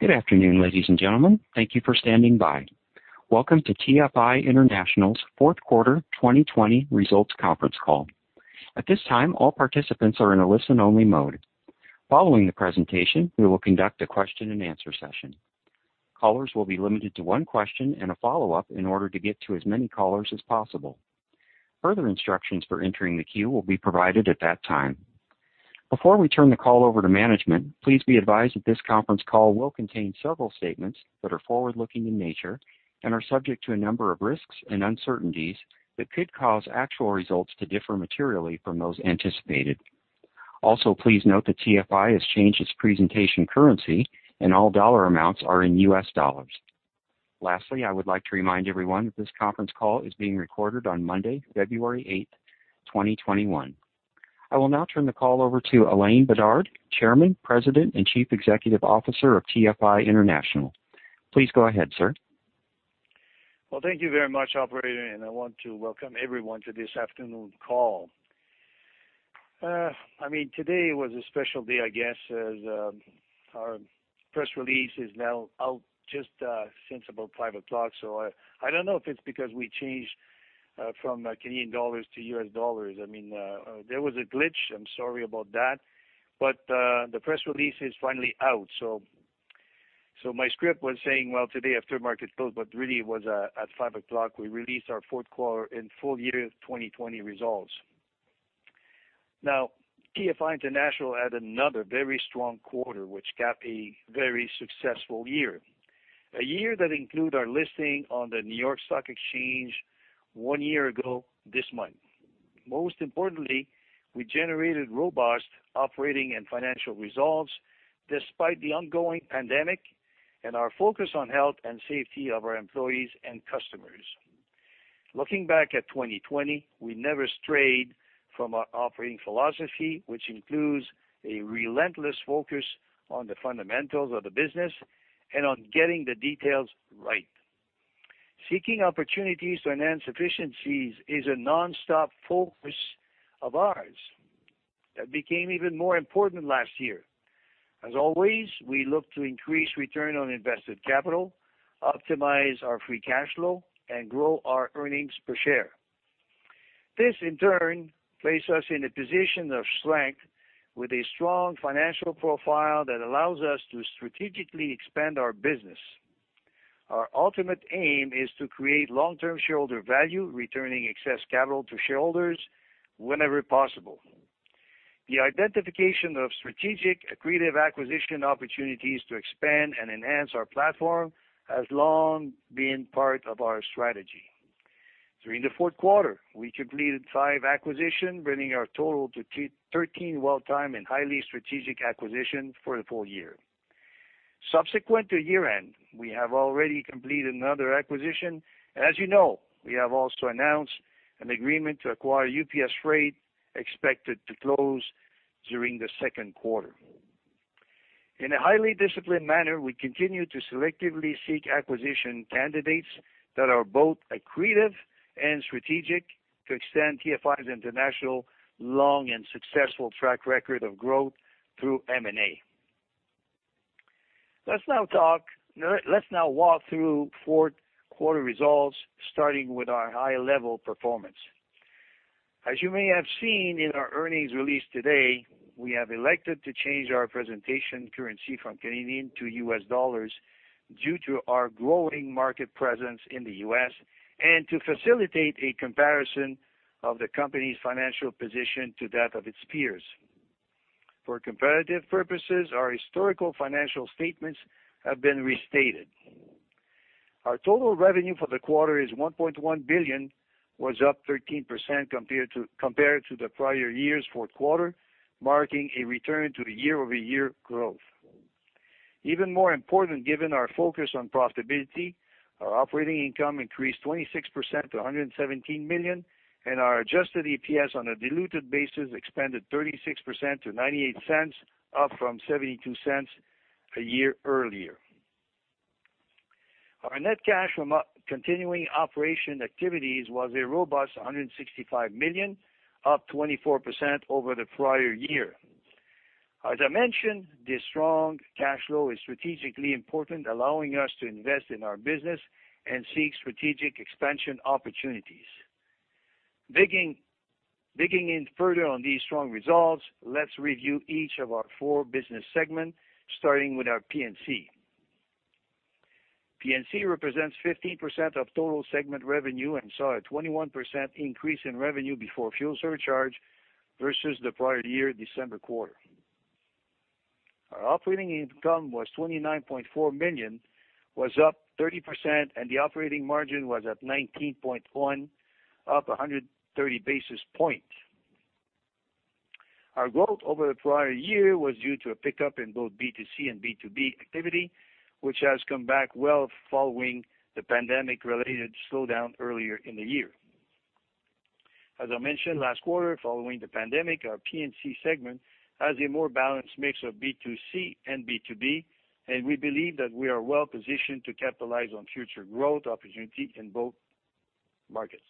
Good afternoon, ladies and gentlemen. Thank you for standing by. Welcome to TFI International's fourth quarter 2020 results conference call. At this time, all participants are in a listen-only mode. Following the presentation, we will conduct a question and answer session. Callers will be limited to one question and a follow-up in order to get to as many callers as possible. Further instructions for entering the queue will be provided at that time. Before we turn the call over to management, please be advised that this conference call will contain several statements that are forward-looking in nature and are subject to a number of risks and uncertainties that could cause actual results to differ materially from those anticipated. Also, please note that TFI has changed its presentation currency, and all dollar amounts are in US dollars. Lastly, I would like to remind everyone that this conference call is being recorded on Monday, February 8th, 2021. I will now turn the call over to Alain Bédard, Chairman, President, and Chief Executive Officer of TFI International. Please go ahead, sir. Thank you very much, operator, and I want to welcome everyone to this afternoon call. Today was a special day, I guess, as our press release is now out just since about 5:00 o'clock. I don't know if it's because we changed from Canadian dollars to US dollars. There was a glitch. I'm sorry about that, but the press release is finally out. My script was saying, well, today after market close, but really it was at 5:00 o'clock, we released our fourth quarter and full year 2020 results. TFI International had another very strong quarter, which capped a very successful year. A year that include our listing on the New York Stock Exchange one year ago this month. Most importantly, we generated robust operating and financial results despite the ongoing pandemic and our focus on health and safety of our employees and customers. Looking back at 2020, we never strayed from our operating philosophy, which includes a relentless focus on the fundamentals of the business and on getting the details right. Seeking opportunities to enhance efficiencies is a nonstop focus of ours. That became even more important last year. As always, we look to increase return on invested capital, optimize our free cash flow, and grow our earnings per share. This, in turn, place us in a position of strength with a strong financial profile that allows us to strategically expand our business. Our ultimate aim is to create long-term shareholder value, returning excess capital to shareholders whenever possible. The identification of strategic, accretive acquisition opportunities to expand and enhance our platform has long been part of our strategy. During the fourth quarter, we completed five acquisition, bringing our total to 13 well-timed and highly strategic acquisitions for the full year. Subsequent to year-end, we have already completed another acquisition. As you know, we have also announced an agreement to acquire UPS Freight, expected to close during the second quarter. In a highly disciplined manner, we continue to selectively seek acquisition candidates that are both accretive and strategic to extend TFI International's long and successful track record of growth through M&A. Let's now walk through fourth quarter results, starting with our high-level performance. As you may have seen in our earnings release today, we have elected to change our presentation currency from Canadian to US dollars due to our growing market presence in the U.S. and to facilitate a comparison of the company's financial position to that of its peers. For competitive purposes, our historical financial statements have been restated. Our total revenue for the quarter is $1.1 billion, was up 13% compared to the prior year's fourth quarter, marking a return to year-over-year growth. Even more important, given our focus on profitability, our operating income increased 26% to $117 million. Our adjusted EPS on a diluted basis expanded 36% to $0.98, up from $0.72 a year earlier. Our net cash from continuing operation activities was a robust $165 million, up 24% over the prior year. As I mentioned, this strong cash flow is strategically important, allowing us to invest in our business and seek strategic expansion opportunities. Digging in further on these strong results, let's review each of our four business segments, starting with our P&C. P&C represents 15% of total segment revenue and saw a 21% increase in revenue before fuel surcharge versus the prior year December quarter. Our operating income was $29.4 million, was up 30%, and the operating margin was at 19.1%, up 130 basis points. Our growth over the prior year was due to a pickup in both B2C and B2B activity, which has come back well following the pandemic-related slowdown earlier in the year. As I mentioned last quarter, following the pandemic, our P&C segment has a more balanced mix of B2C and B2B, and we believe that we are well-positioned to capitalize on future growth opportunity in both markets.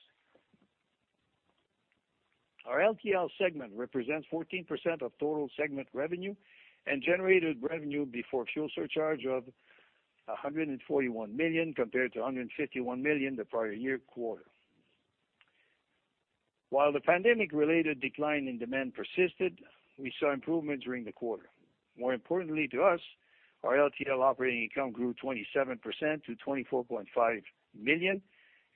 Our LTL segment represents 14% of total segment revenue and generated revenue before fuel surcharge of $141 million, compared to $151 million the prior year quarter. While the pandemic-related decline in demand persisted, we saw improvement during the quarter. More importantly to us, our LTL operating income grew 27% to $24.5 million,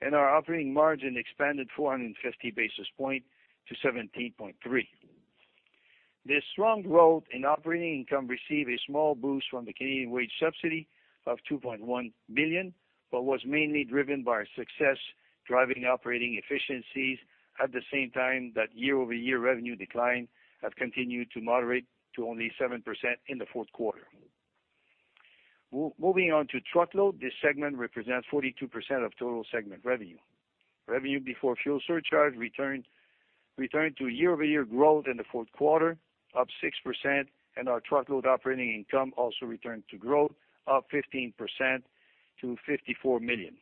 and our operating margin expanded 450 basis point to 17.3%. This strong growth in operating income received a small boost from the Canadian wage subsidy of $2.1 million, but was mainly driven by our success driving operating efficiencies at the same time that year-over-year revenue decline had continued to moderate to only 7% in the fourth quarter. Moving on to Truckload, this segment represents 42% of total segment revenue. Revenue before fuel surcharge returned to year-over-year growth in the fourth quarter, up 6%, and our truckload operating income also returned to growth, up 15% to $54 million.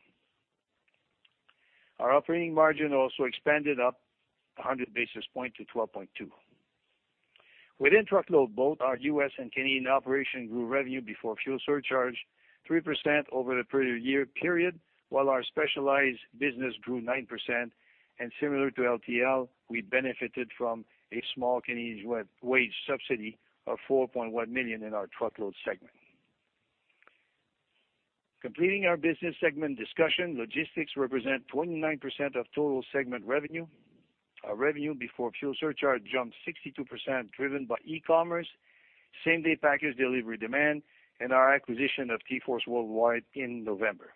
Our operating margin also expanded up 100 basis points to 12.2%. Within Truckload, both our U.S. and Canadian operation grew revenue before fuel surcharge 3% over the prior year period, while our specialized business grew 9%, and similar to LTL, we benefited from a small Canadian wage subsidy of $4.1 million in our Truckload segment. Completing our business segment discussion, Logistics represent 29% of total segment revenue. Our revenue before fuel surcharge jumped 62%, driven by e-commerce, same-day package delivery demand, and our acquisition of TForce Worldwide in November.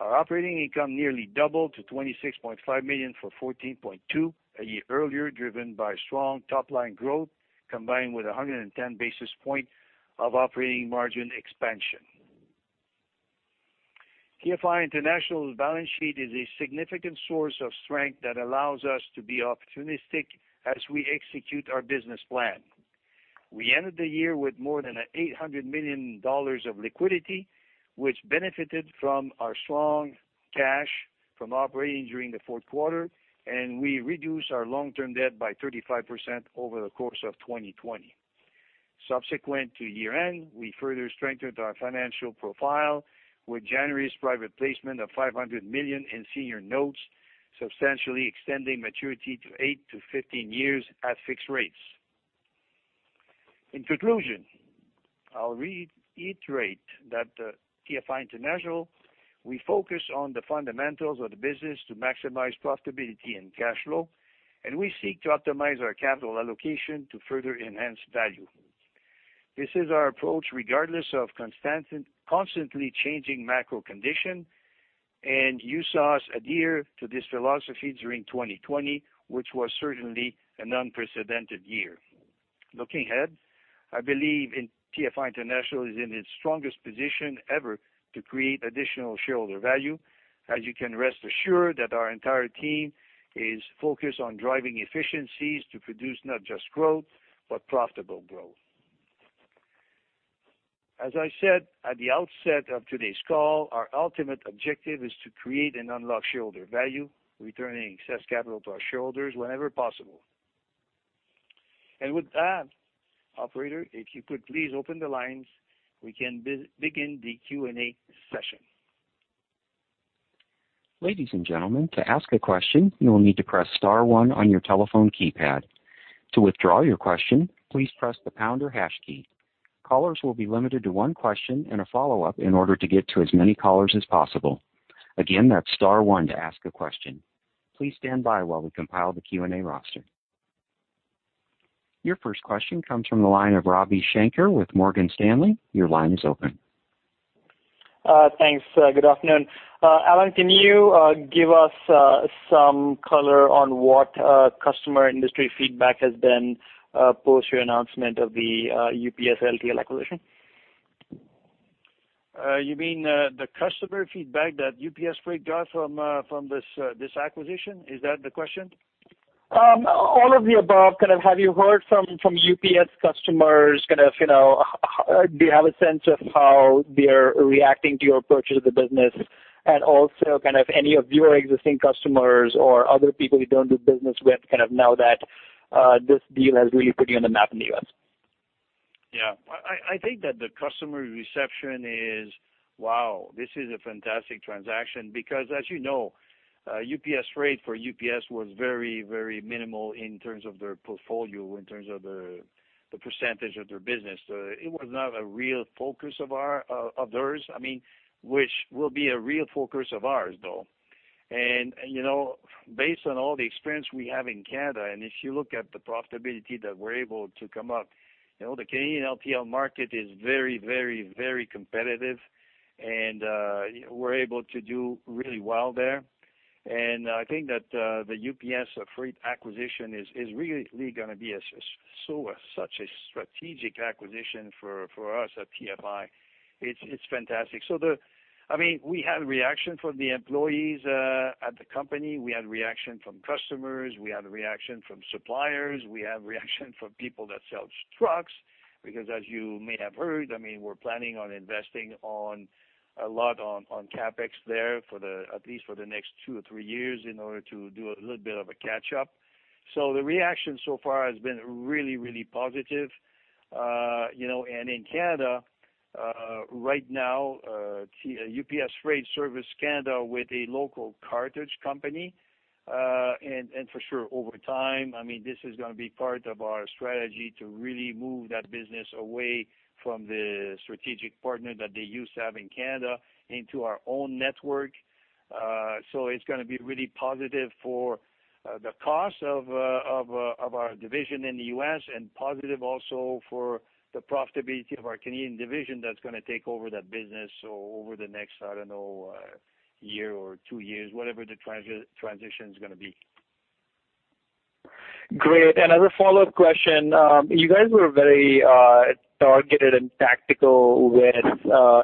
Our operating income nearly doubled to $26.5 million from $14.2 million a year earlier, driven by strong top-line growth, combined with 110 basis points of operating margin expansion. TFI International's balance sheet is a significant source of strength that allows us to be opportunistic as we execute our business plan. We ended the year with more than $800 million of liquidity, which benefited from our strong cash from operating during the fourth quarter, and we reduced our long-term debt by 35% over the course of 2020. Subsequent to year-end, we further strengthened our financial profile with January's private placement of $500 million in senior notes, substantially extending maturity to 8-15 years at fixed rates. In conclusion, I'll reiterate that at TFI International, we focus on the fundamentals of the business to maximize profitability and cash flow. We seek to optimize our capital allocation to further enhance value. This is our approach regardless of constantly changing macro condition. You saw us adhere to this philosophy during 2020, which was certainly an unprecedented year. Looking ahead, I believe TFI International is in its strongest position ever to create additional shareholder value. You can rest assured that our entire team is focused on driving efficiencies to produce not just growth, but profitable growth. I said at the outset of today's call, our ultimate objective is to create and unlock shareholder value, returning excess capital to our shareholders whenever possible. With that, operator, if you could please open the lines, we can begin the Q&A session. Ladies and gentlemen, to ask a question, you will need to press star one on your telephone keypad. To withdraw your question, please press the pound or hash key. Callers will be limited to one question and a follow-up in order to get to as many callers as possible. Again, that's star one to ask a question. Please stand by while we compile the Q&A roster. Your first question comes from the line of Ravi Shanker with Morgan Stanley. Your line is open. Thanks. Good afternoon. Alain, can you give us some color on what customer industry feedback has been post your announcement of the UPS LTL acquisition? You mean the customer feedback that UPS Freight got from this acquisition? Is that the question? All of the above. Have you heard from UPS customers? Do you have a sense of how they're reacting to your purchase of the business? Also, any of your existing customers or other people you don't do business with, now that this deal has really put you on the map in the U.S.? Yeah. I think that the customer reception is, wow, this is a fantastic transaction, because as you know, UPS Freight for UPS was very minimal in terms of their portfolio, in terms of the percentage of their business. It was not a real focus of theirs. Which will be a real focus of ours, though. Based on all the experience we have in Canada, and if you look at the profitability that we're able to come up, the Canadian LTL market is very competitive, and we're able to do really well there. I think that the UPS Freight acquisition is really going to be such a strategic acquisition for us at TFI. It's fantastic. We had a reaction from the employees at the company. We had a reaction from customers. We had a reaction from suppliers. We have reaction from people that sells trucks, because as you may have heard, we're planning on investing a lot on CapEx there, at least for the next two or three years in order to do a little bit of a catch-up. The reaction so far has been really positive. In Canada right now, UPS Freight serves Canada with a local cartage company. For sure over time, this is going to be part of our strategy to really move that business away from the strategic partner that they used to have in Canada into our own network. It's going to be really positive for the cost of our division in the U.S. and positive also for the profitability of our Canadian division that's going to take over that business over the next, I don't know, year or two years, whatever the transition's going to be. Great. As a follow-up question, you guys were very targeted and tactical with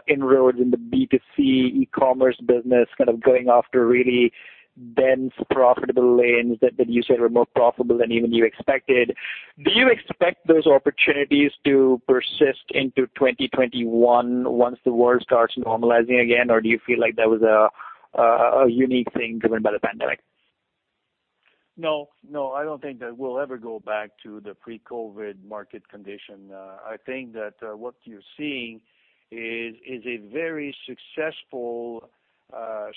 inroads in the B2C e-commerce business, kind of going after really dense profitable lanes that you said were more profitable than even you expected. Do you expect those opportunities to persist into 2021 once the world starts normalizing again? Or do you feel like that was a unique thing driven by the pandemic? I don't think that we'll ever go back to the pre-COVID market condition. I think that what you're seeing is a very successful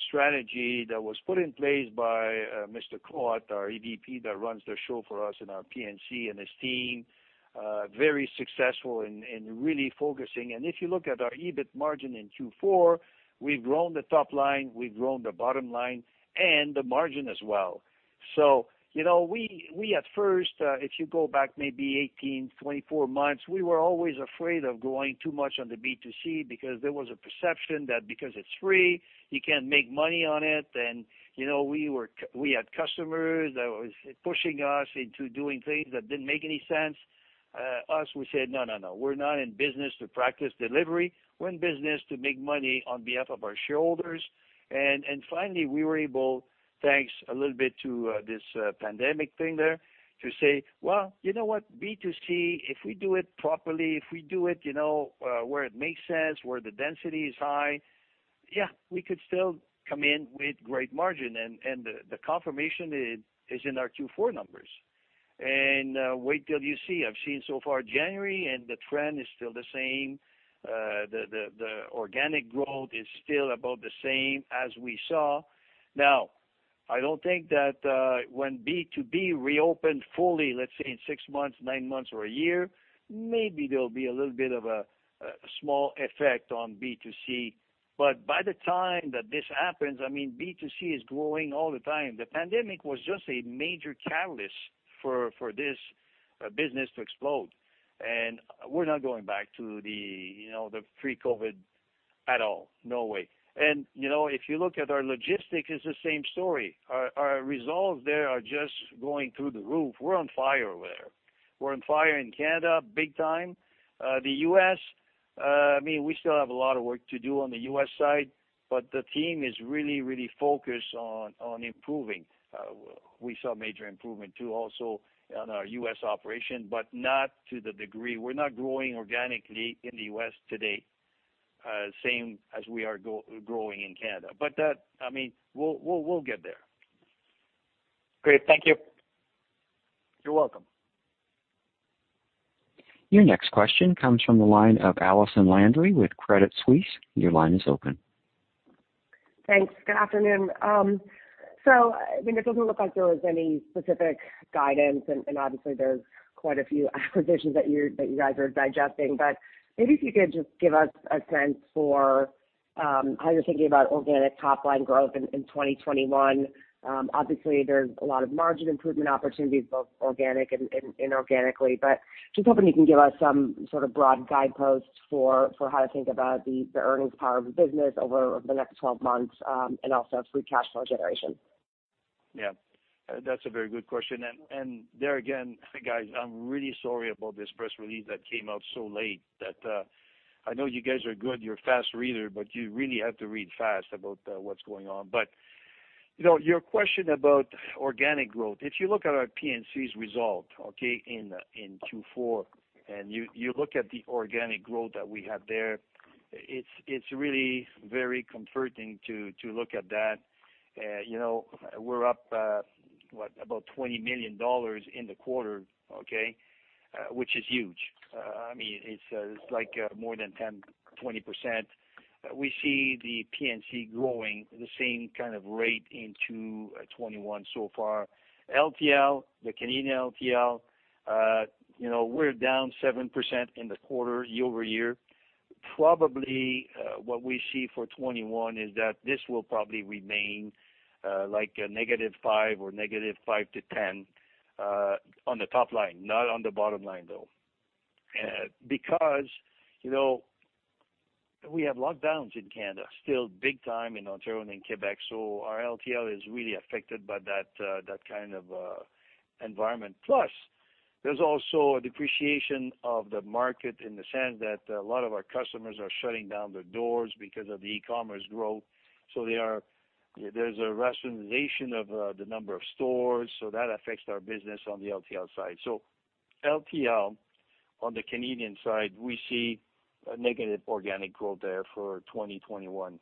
strategy that was put in place by Mr. Cloutier, our EVP, that runs the show for us in our P&C and his team. Very successful in really focusing. If you look at our EBIT margin in Q4, we've grown the top line, we've grown the bottom line, and the margin as well. We at first, if you go back maybe 18, 24 months, we were always afraid of going too much on the B2C because there was a perception that because it's free, you can't make money on it. We had customers that was pushing us into doing things that didn't make any sense. Us, we said, "No, we're not in business to practice delivery. We're in business to make money on behalf of our shareholders." Finally, we were able, thanks a little bit to this pandemic thing there to say, "Well, you know what? B2C, if we do it properly, if we do it where it makes sense, where the density is high, yeah, we could still come in with great margin." The confirmation is in our Q4 numbers. Wait till you see. I've seen so far January, and the trend is still the same. The organic growth is still about the same as we saw. Now, I don't think that when B2B reopened fully, let's say in six months, nine months or a year, maybe there'll be a little bit of a small effect on B2C. By the time that this happens, B2C is growing all the time. The pandemic was just a major catalyst for this business to explode. We're not going back to the pre-COVID at all. No way. If you look at our logistics, it's the same story. Our results there are just going through the roof. We're on fire there. We're on fire in Canada big time. The U.S., we still have a lot of work to do on the U.S. side. The team is really focused on improving. We saw major improvement too also on our U.S. operation, not to the degree. We're not growing organically in the U.S. today same as we are growing in Canada. We'll get there. Great. Thank you. You're welcome. Your next question comes from the line of Allison Landry with Credit Suisse. Your line is open. Thanks. Good afternoon. It doesn't look like there was any specific guidance, and obviously there's quite a few acquisitions that you guys are digesting, but maybe if you could just give us a sense for how you're thinking about organic top-line growth in 2021. Obviously, there's a lot of margin improvement opportunities, both organic and inorganically, but just hoping you can give us some sort of broad guideposts for how to think about the earnings power of the business over the next 12 months, and also free cash flow generation. That's a very good question. There again, guys, I'm really sorry about this press release that came out so late. I know you guys are good, you're a fast reader, you really have to read fast about what's going on. Your question about organic growth, if you look at our P&C's result, okay, in Q4, and you look at the organic growth that we have there, it's really very comforting to look at that. We're up about $20 million in the quarter, okay, which is huge. It's like more than 10%-20%. We see the P&C growing the same kind of rate in 2021 so far. LTL, the Canadian LTL, we're down 7% in the quarter year-over-year. Probably what we see for 2021 is that this will probably remain like a negative 5% or negative 5%-10% on the top line, not on the bottom line, though. We have lockdowns in Canada still big time in Ontario and in Quebec, so our LTL is really affected by that kind of environment. Plus, there's also a depreciation of the market in the sense that a lot of our customers are shutting down their doors because of the e-commerce growth. There's a rationalization of the number of stores, so that affects our business on the LTL side. LTL on the Canadian side, we see a negative organic growth there for 2021.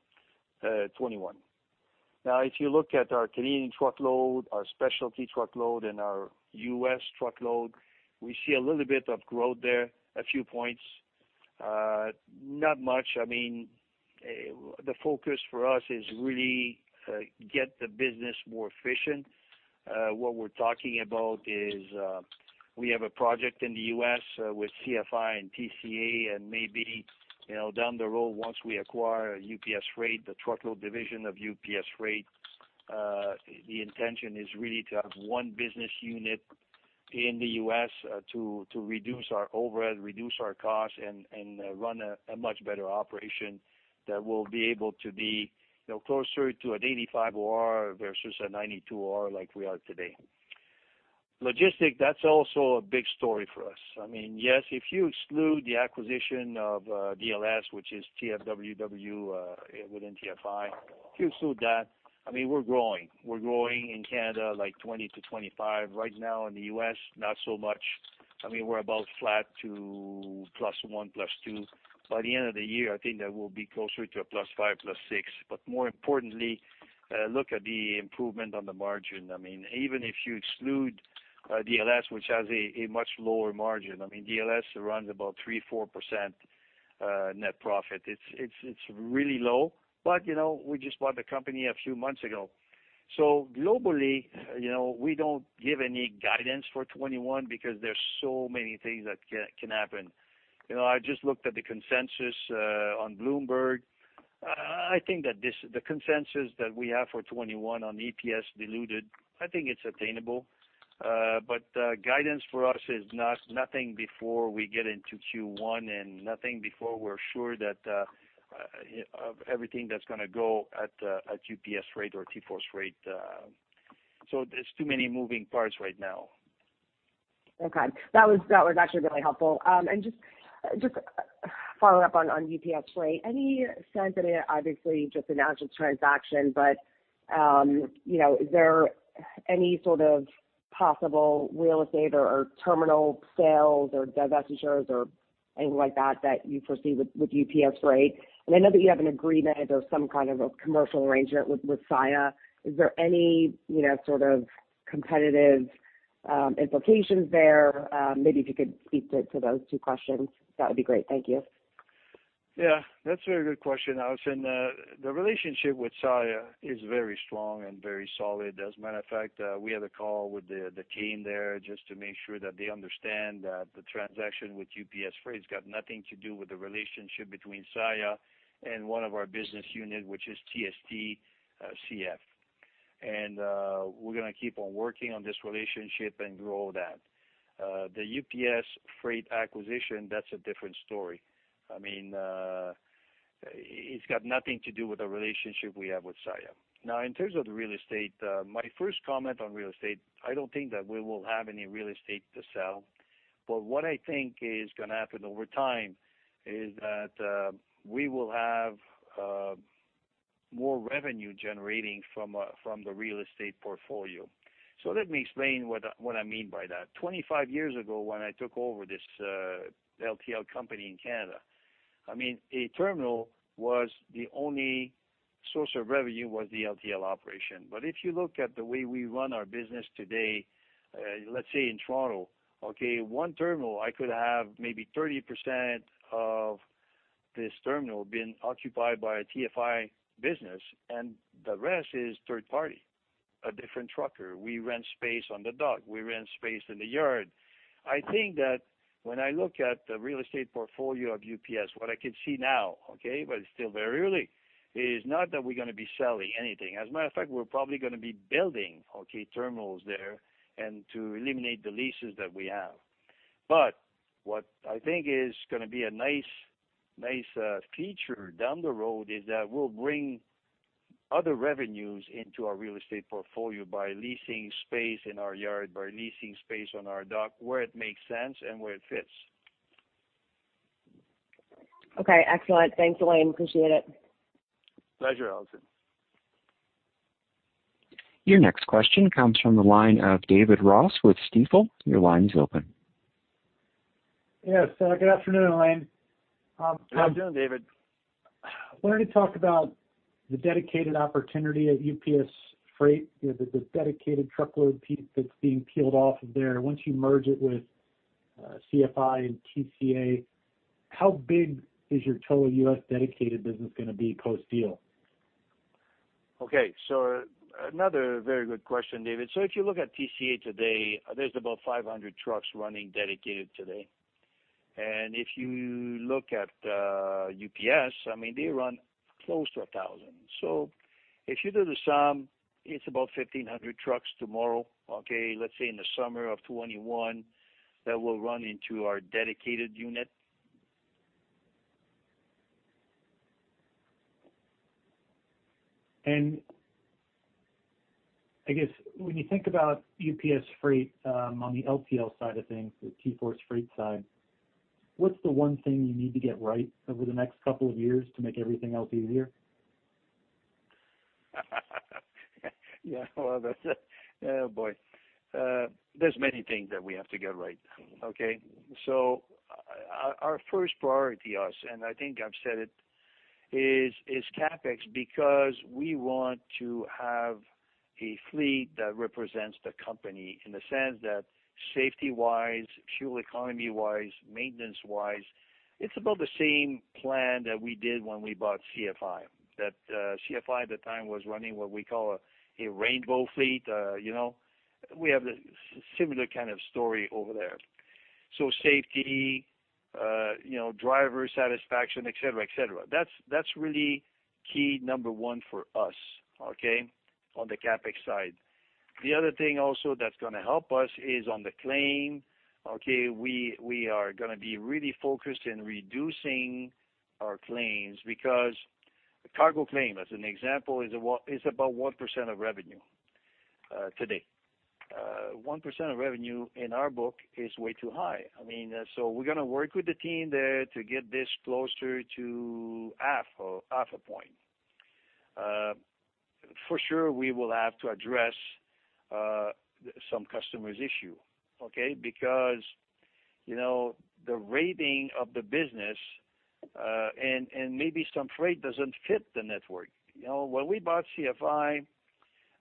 Now, if you look at our Canadian truckload, our specialty truckload, and our U.S. truckload, we see a little bit of growth there, a few points. Not much. The focus for us is really get the business more efficient. What we're talking about is, we have a project in the U.S. with CFI and TCA, and maybe down the road once we acquire UPS Freight, the truckload division of UPS Freight, the intention is really to have one business unit in the U.S. to reduce our overhead, reduce our costs, and run a much better operation that will be able to be closer to an 85 OR versus a 92 OR like we are today. Logistics, that's also a big story for us. Yes, if you exclude the acquisition of DLS, which is TFWW within TFI, if you exclude that, we're growing. We're growing in Canada like 20%-25%. Right now in the U.S., not so much. We're about flat to +1, +2. By the end of the year, I think that we'll be closer to a +5%, +6%. More importantly, look at the improvement on the margin. Even if you exclude DLS, which has a much lower margin, DLS runs about 3%, 4% net profit. It's really low. We just bought the company a few months ago. Globally, we don't give any guidance for 2021 because there's so many things that can happen. I just looked at the consensus on Bloomberg. I think that the consensus that we have for 2021 on EPS diluted, I think it's attainable. Guidance for us is nothing before we get into Q1 and nothing before we're sure of everything that's going to go at UPS Freight or TForce Freight. There's too many moving parts right now. Okay. That was actually really helpful. Just following up on UPS Freight. Obviously, just an actual transaction, but is there any sort of possible real estate or terminal sales or divestitures or anything like that that you foresee with UPS Freight? I know that you have an agreement or some kind of a commercial arrangement with Saia. Is there any sort of competitive implications there? Maybe if you could speak to those two questions, that would be great. Thank you. Yeah. That's a very good question, Allison. The relationship with Saia is very strong and very solid. As a matter of fact, we had a call with the team there just to make sure that they understand that the transaction with UPS Freight's got nothing to do with the relationship between Saia and one of our business unit, which is TST-CF. We're going to keep on working on this relationship and grow that. The UPS Freight acquisition, that's a different story. It's got nothing to do with the relationship we have with Saia. In terms of the real estate, my first comment on real estate, I don't think that we will have any real estate to sell. What I think is going to happen over time is that we will have more revenue generating from the real estate portfolio. Let me explain what I mean by that. 25 years ago when I took over this LTL company in Canada, a terminal was the only source of revenue was the LTL operation. If you look at the way we run our business today, let's say in Toronto, okay, one terminal, I could have maybe 30% of this terminal being occupied by a TFI business, and the rest is third party, a different trucker. We rent space on the dock. We rent space in the yard. I think that when I look at the real estate portfolio of UPS, what I can see now, okay, but it's still very early, is not that we're going to be selling anything. As a matter of fact, we're probably going to be building, okay, terminals there and to eliminate the leases that we have. What I think is going to be a nice feature down the road is that we'll bring other revenues into our real estate portfolio by leasing space in our yard, by leasing space on our dock where it makes sense and where it fits. Okay. Excellent. Thanks, Alain. Appreciate it. Pleasure, Allison. Your next question comes from the line of David Ross with Stifel. Your line is open. Yes. Good afternoon, Alain. How are you doing, David? Wanted to talk about the dedicated opportunity at UPS Freight, the dedicated truckload piece that's being peeled off of there. Once you merge it with CFI and TCA, how big is your total U.S. dedicated business going to be post-deal? Okay. Another very good question, David. If you look at TCA today, there's about 500 trucks running dedicated today. If you look at UPS, they run close to 1,000. If you do the sum, it's about 1,500 trucks tomorrow, okay, let's say in the summer of 2021, that will run into our dedicated unit. I guess when you think about UPS Freight, on the LTL side of things, the TForce Freight side, what's the one thing you need to get right over the next couple of years to make everything else easier? Yeah. Oh, boy. There's many things that we have to get right. Okay. Our first priority, and I think I've said it, is CapEx, because we want to have a fleet that represents the company in the sense that safety-wise, fuel economy-wise, maintenance-wise. It's about the same plan that we did when we bought CFI. CFI, at the time, was running what we call a rainbow fleet. We have a similar kind of story over there. Safety, driver satisfaction, et cetera. That's really key number one for us, okay, on the CapEx side. The other thing also that's going to help us is on the claim. Okay. We are going to be really focused in reducing our claims because cargo claim, as an example, is about 1% of revenue today. 1% of revenue in our book is way too high. We're going to work with the team there to get this closer to half or half a point. For sure, we will have to address some customers' issue, okay, because the rating of the business and maybe some freight doesn't fit the network. When we bought CFI,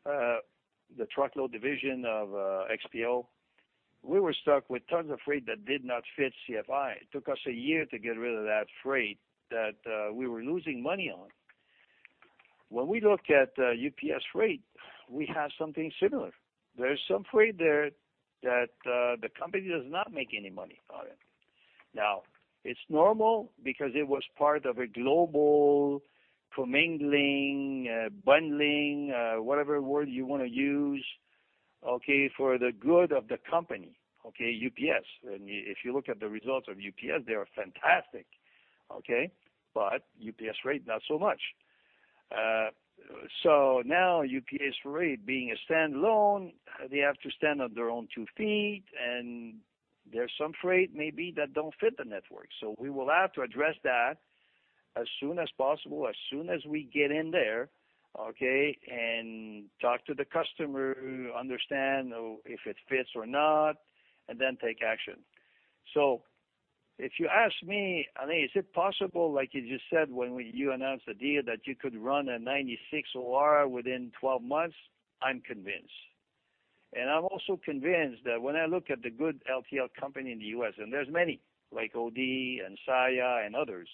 the truckload division of XPO, we were stuck with tons of freight that did not fit CFI. It took us a year to get rid of that freight that we were losing money on. When we look at TForce Freight, we have something similar. There's some freight there that the company does not make any money on it. Now, it's normal because it was part of a global commingling, bundling, whatever word you want to use, okay, for the good of the company, UPS. If you look at the results of UPS, they are fantastic. Okay. UPS Freight not so much. Now UPS Freight being a standalone, they have to stand on their own two feet, and there's some freight maybe that don't fit the network. We will have to address that as soon as possible, as soon as we get in there, okay, and talk to the customer who understand if it fits or not, and then take action. If you ask me, Alain, is it possible, like you just said, when you announced the deal that you could run a 96 OR within 12 months? I'm convinced. I'm also convinced that when I look at the good LTL company in the U.S., and there's many, like OD and Saia and others,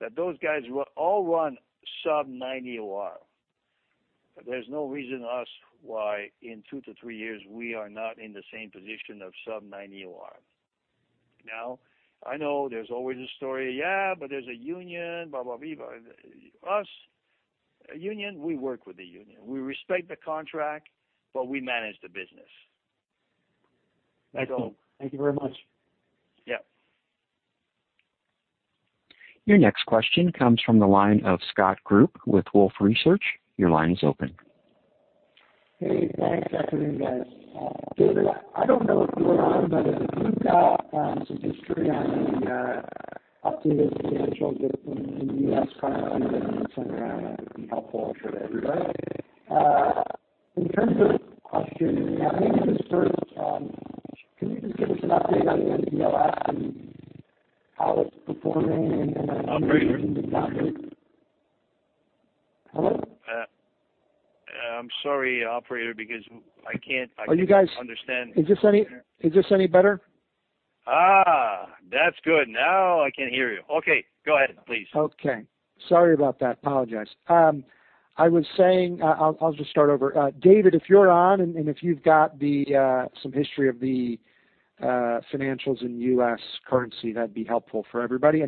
that those guys all run sub 90 OR. There's no reason us why in two to three years we are not in the same position of sub 90% OR. I know there's always a story. Yeah, there's a union. Us, a union, we work with the union. We respect the contract, but we manage the business. That's all. Thank you very much. Yeah. Your next question comes from the line of Scott Group with Wolfe Research. Your line is open. Hey, thanks. Afternoon, guys. David, I don't know if you're on, but if you've got some history on the updated financials in U.S. currency that you can send around, that would be helpful for everybody. In terms of question, maybe just start, can you just give us an update on DLS and how it's performing? Operator. Hello? I'm sorry, operator, because I can't understand. Is this any better? That's good. Now I can hear you. Okay, go ahead, please. Okay. Sorry about that. Apologize. I'll just start over. David, if you're on and if you've got some history of the financials in U.S. currency, that'd be helpful for everybody.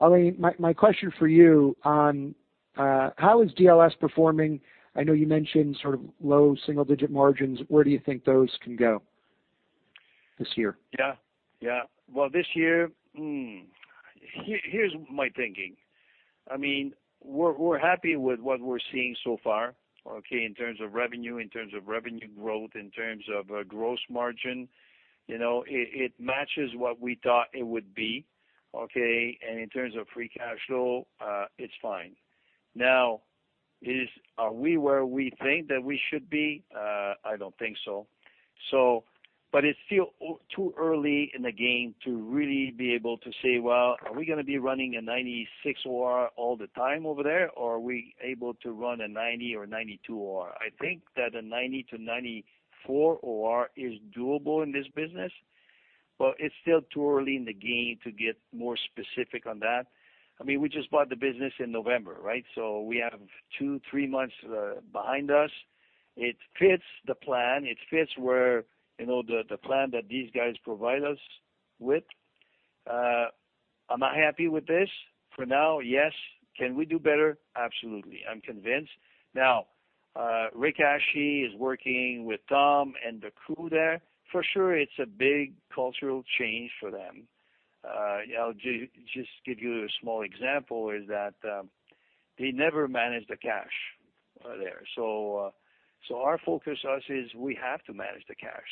Alain, my question for you on how is DLS performing? I know you mentioned sort of low single-digit margins. Where do you think those can go this year? Well, this year, here's my thinking. We're happy with what we're seeing so far, okay, in terms of revenue, in terms of revenue growth, in terms of gross margin. It matches what we thought it would be, okay. In terms of free cash flow, it's fine. Are we where we think that we should be? I don't think so. It's still too early in the game to really be able to say, well, are we going to be running a 96 OR all the time over there, or are we able to run a 90 or 92 OR? I think that a 90-94 OR is doable in this business, but it's still too early in the game to get more specific on that. We just bought the business in November, right? We have two, three months behind us. It fits the plan. It fits where the plan that these guys provide us with. Am I happy with this for now? Yes. Can we do better? Absolutely. I'm convinced. Rick Ashey is working with Tom and the crew there. For sure, it's a big cultural change for them. I'll just give you a small example, is that they never managed the cash there. Our focus is we have to manage the cash.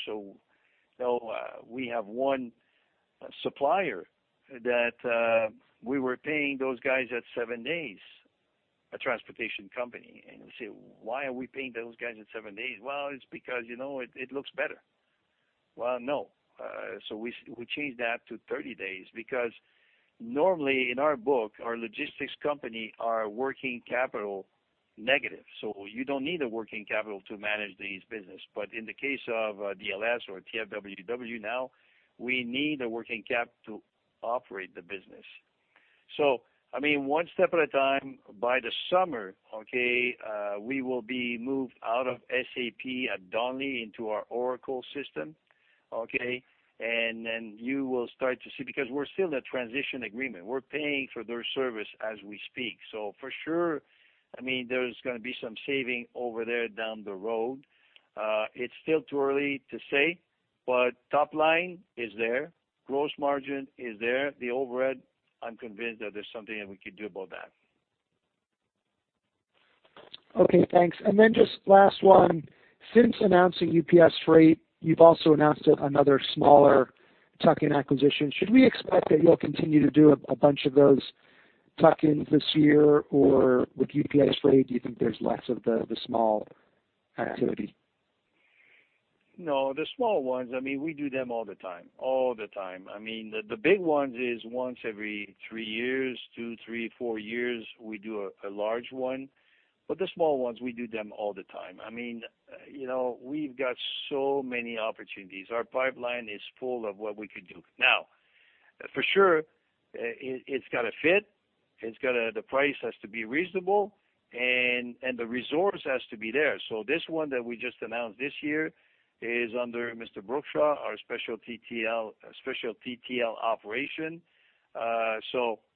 We have one supplier that we were paying those guys at seven days, a transportation company. You say, "Why are we paying those guys at seven days?" Well, it's because it looks better. Well, no. We changed that to 30 days because normally in our book, our logistics company are working capital negative. You don't need a working capital to manage this business. In the case of DLS or TFWW now, we need a working capital to operate the business. One step at a time, by the summer, we will be moved out of SAP at Donnelley into our Oracle system. You will start to see, because we're still in a transition agreement. We're paying for their service as we speak. For sure, there's going to be some saving over there down the road. It's still too early to say, but top line is there. Gross margin is there. The overhead, I'm convinced that there's something that we could do about that. Okay, thanks. Just last one. Since announcing UPS Freight, you've also announced another smaller tuck-in acquisition. Should we expect that you'll continue to do a bunch of those tuck-ins this year? With UPS Freight, do you think there's less of the small activity? No, the small ones, we do them all the time. All the time. The big ones is once every three years, two, three, four years, we do a large one. The small ones, we do them all the time. We've got so many opportunities. Our pipeline is full of what we could do. For sure, it's got to fit, the price has to be reasonable, and the resource has to be there. This one that we just announced this year is under Mr. Brookshaw, our special TL operation.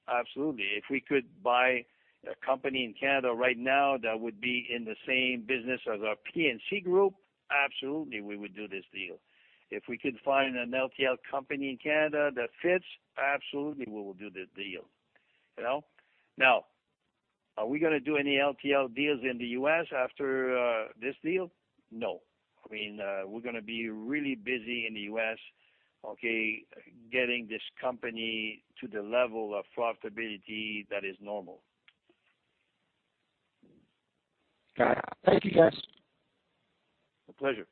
Absolutely. If we could buy a company in Canada right now that would be in the same business as our P&C group, absolutely, we would do this deal. If we could find an LTL company in Canada that fits, absolutely, we will do the deal. Are we going to do any LTL deals in the U.S. after this deal? No. We're going to be really busy in the U.S., okay, getting this company to the level of profitability that is normal. Got it. Thank you, guys. A pleasure.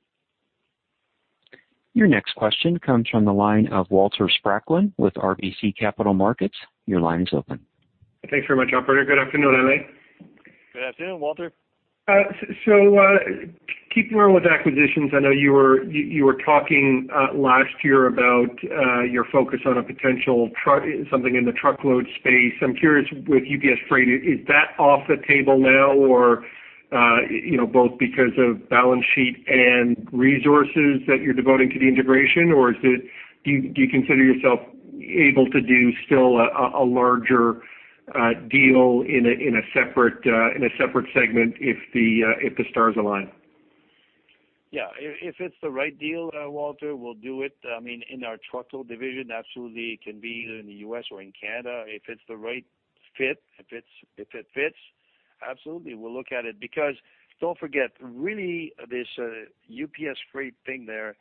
Your next question comes from the line of Walter Spracklin with RBC Capital Markets. Your line is open. Thanks very much, operator. Good afternoon, Alain. Good afternoon, Walter. Keeping on with acquisitions, I know you were talking last year about your focus on a potential something in the truckload space. I'm curious with UPS Freight, is that off the table now, both because of balance sheet and resources that you're devoting to the integration, or do you consider yourself able to do still a larger deal in a separate segment if the stars align? Yeah. If it's the right deal, Walter, we'll do it. In our truckload division, absolutely, it can be either in the U.S. or in Canada. If it's the right fit, if it fits, absolutely, we'll look at it because don't forget, really, this UPS Freight thing there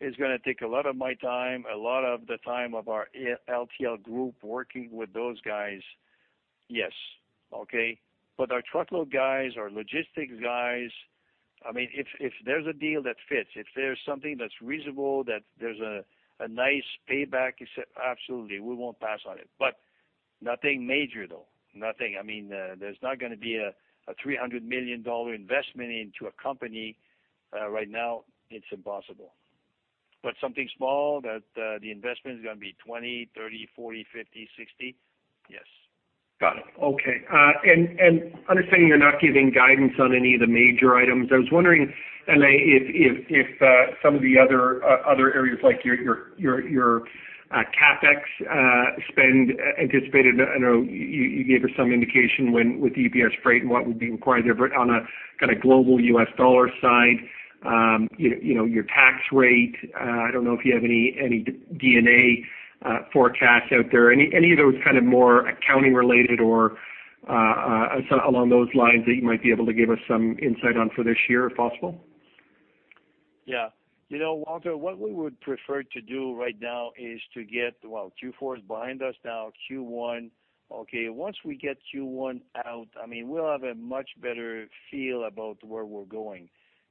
is going to take a lot of my time, a lot of the time of our LTL group working with those guys. Yes. Okay? Our truckload guys, our logistics guys, if there's a deal that fits, if there's something that's reasonable, that there's a nice payback, absolutely, we won't pass on it. Nothing major, though, nothing. There's not going to be a $300 million investment into a company right now. It's impossible. Something small that the investment is going to be $20 million, $30 million, $40 million, $50 million, $60 million, yes. Got it. Okay. Understanding you're not giving guidance on any of the major items, I was wondering, Alain, if some of the other areas, like your CapEx spend anticipated, I know you gave us some indication with UPS Freight and what would be required there, but on a kind of global US dollar side, your tax rate, I don't know if you have any D&A forecasts out there. Any of those kind of more accounting-related or along those lines that you might be able to give us some insight on for this year, if possible? Yeah. Walter, what we would prefer to do right now is to get, well, Q4 is behind us now, Q1. Okay. Once we get Q1 out, we will have a much better feel about where we are going.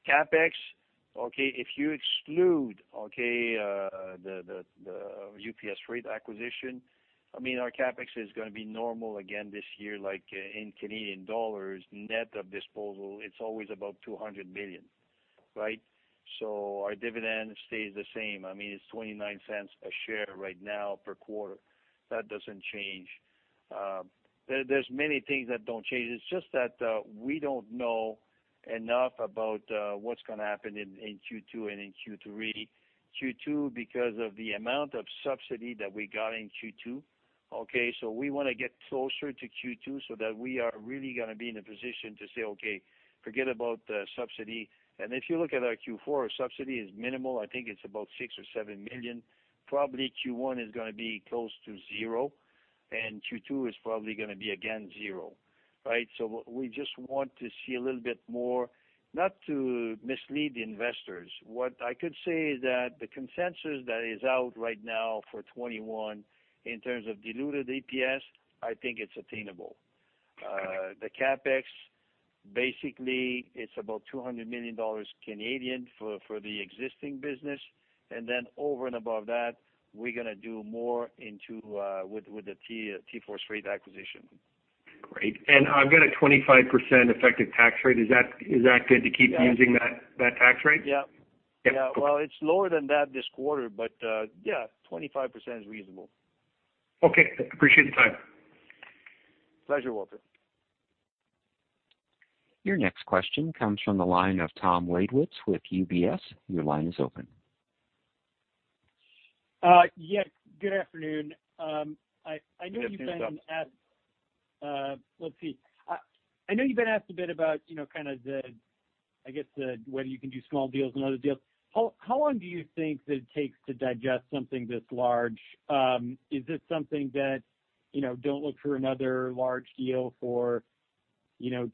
CapEx, okay, if you exclude, okay, the UPS Freight acquisition, our CapEx is going to be normal again this year, like in Canadian dollars, net of disposal, it is always about 200 million, right? Our dividend stays the same. It is $0.29 a share right now per quarter. That doesn't change. There are many things that don't change. It is just that we don't know enough about what is going to happen in Q2 and in Q3. Q2, because of the amount of subsidy that we got in Q2, okay. We want to get closer to Q2 so that we are really going to be in a position to say, "Okay, forget about subsidy." If you look at our Q4, subsidy is minimal. I think it's about $6 million or $7 million. Probably Q1 is going to be close to zero. Q2 is probably going to be again zero, right? We just want to see a little bit more, not to mislead the investors. What I could say is that the consensus that is out right now for 2021 in terms of diluted EPS, I think it's attainable. The CapEx, basically it's about 200 million Canadian dollars for the existing business, and then over and above that, we're going to do more with the TForce Freight acquisition. Great. I've got a 25% effective tax rate. Is that good to keep using that tax rate? Yeah. Yeah. Cool. Well, it's lower than that this quarter, but yeah, 25% is reasonable. Okay. Appreciate your time. Pleasure, Walter. Your next question comes from the line of Tom Wadewitz with UBS. Your line is open. Yes, good afternoon. Good afternoon, Tom. Let's see. I know you've been asked a bit about, I guess, whether you can do small deals and other deals. How long do you think that it takes to digest something this large? Is this something that don't look for another large deal for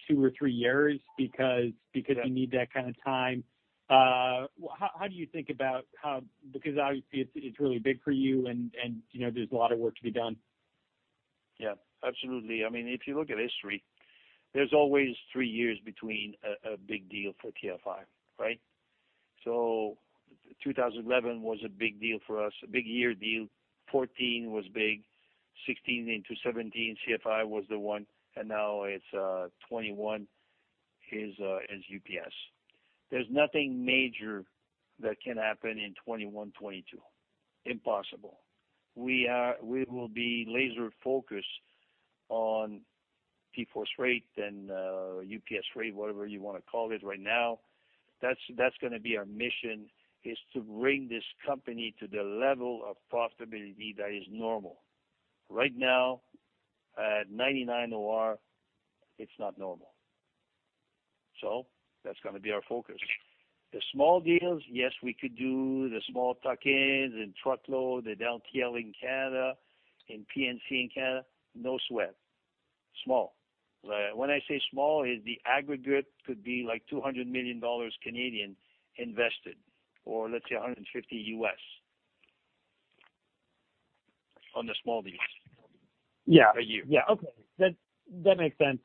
two or three years? Yeah. you need that kind of time? How do you think about. Obviously it's really big for you and there's a lot of work to be done. Absolutely. If you look at history, there's always three years between a big deal for TFI, right? 2011 was a big deal for us, a big year deal. 2014 was big. 2016 into 2017, CFI was the one, now it's 2021 is UPS. There's nothing major that can happen in 2021, 2022. Impossible. We will be laser-focused on TForce Freight and UPS Freight, whatever you want to call it right now. That's going to be our mission, is to bring this company to the level of profitability that is normal. Right now, at 99 OR, it's not normal. That's going to be our focus. The small deals, yes, we could do the small tuck-ins in truckload, the LTL in Canada, in P&C in Canada, no sweat. Small. When I say small, the aggregate could be like 200 million Canadian dollars invested, or let's say $150, on the small deals. Yeah. Per year. Yeah. Okay. That makes sense.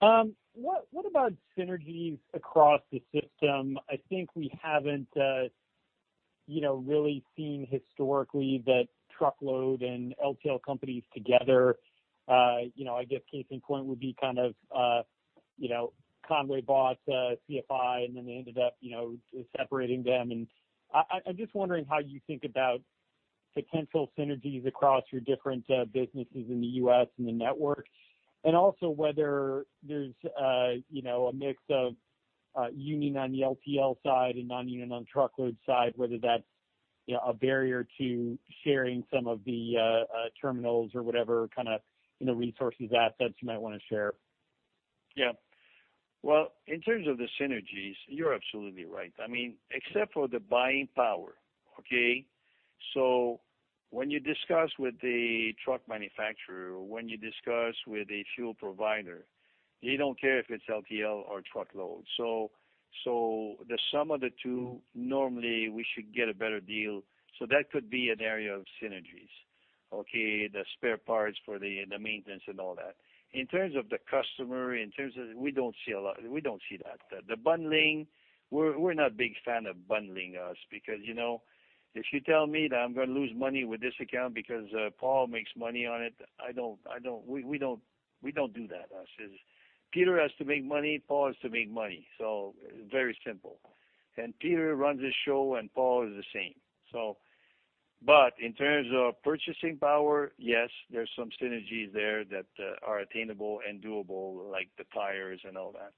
What about synergies across the system? I think we haven't really seen historically that truckload and LTL companies together. I guess case in point would be kind of Con-way bought CFI, and then they ended up separating them, and I'm just wondering how you think about potential synergies across your different businesses in the U.S. and the network. Also whether there's a mix of union on the LTL side and non-union on truckload side, whether that's a barrier to sharing some of the terminals or whatever kind of resources, assets you might want to share. Yeah. Well, in terms of the synergies, you're absolutely right. Except for the buying power, okay? When you discuss with the truck manufacturer, or when you discuss with a fuel provider, they don't care if it's LTL or truckload. The sum of the two, normally we should get a better deal. That could be an area of synergies. Okay? The spare parts for the maintenance and all that. In terms of the customer, we don't see that. The bundling, we're not big fan of bundling, us. Because if you tell me that I'm going to lose money with this account because Paul makes money on it, we don't do that. Peter has to make money, Paul has to make money. Very simple. Peter runs the show, and Paul is the same. In terms of purchasing power, yes, there's some synergies there that are attainable and doable, like the tires and all that.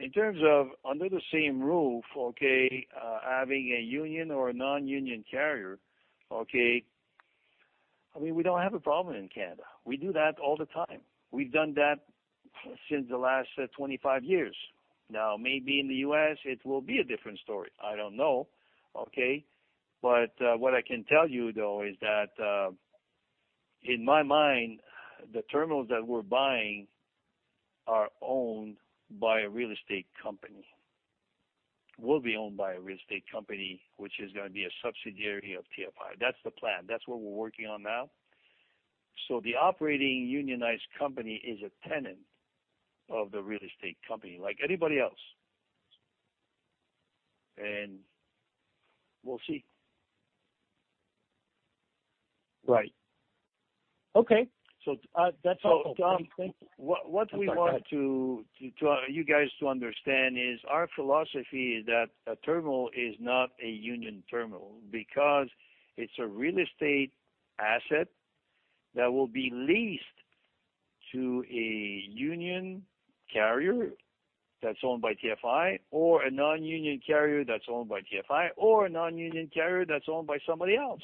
In terms of under the same roof, okay, having a union or a non-union carrier, okay, we don't have a problem in Canada. We do that all the time. We've done that since the last 25 years. Maybe in the U.S. it will be a different story. I don't know. Okay. What I can tell you, though, is that, in my mind, the terminals that we're buying are owned by a real estate company. Will be owned by a real estate company, which is going to be a subsidiary of TFI. That's the plan. That's what we're working on now. The operating unionized company is a tenant of the real estate company, like anybody else. We'll see, Rright. Okay. That's all. That's helpful. Thank you. Tom. I'm sorry. Go ahead. What we want you guys to understand is our philosophy is that a terminal is not a union terminal because it's a real estate asset that will be leased to a union carrier that's owned by TFI or a non-union carrier that's owned by TFI or a non-union carrier that's owned by somebody else.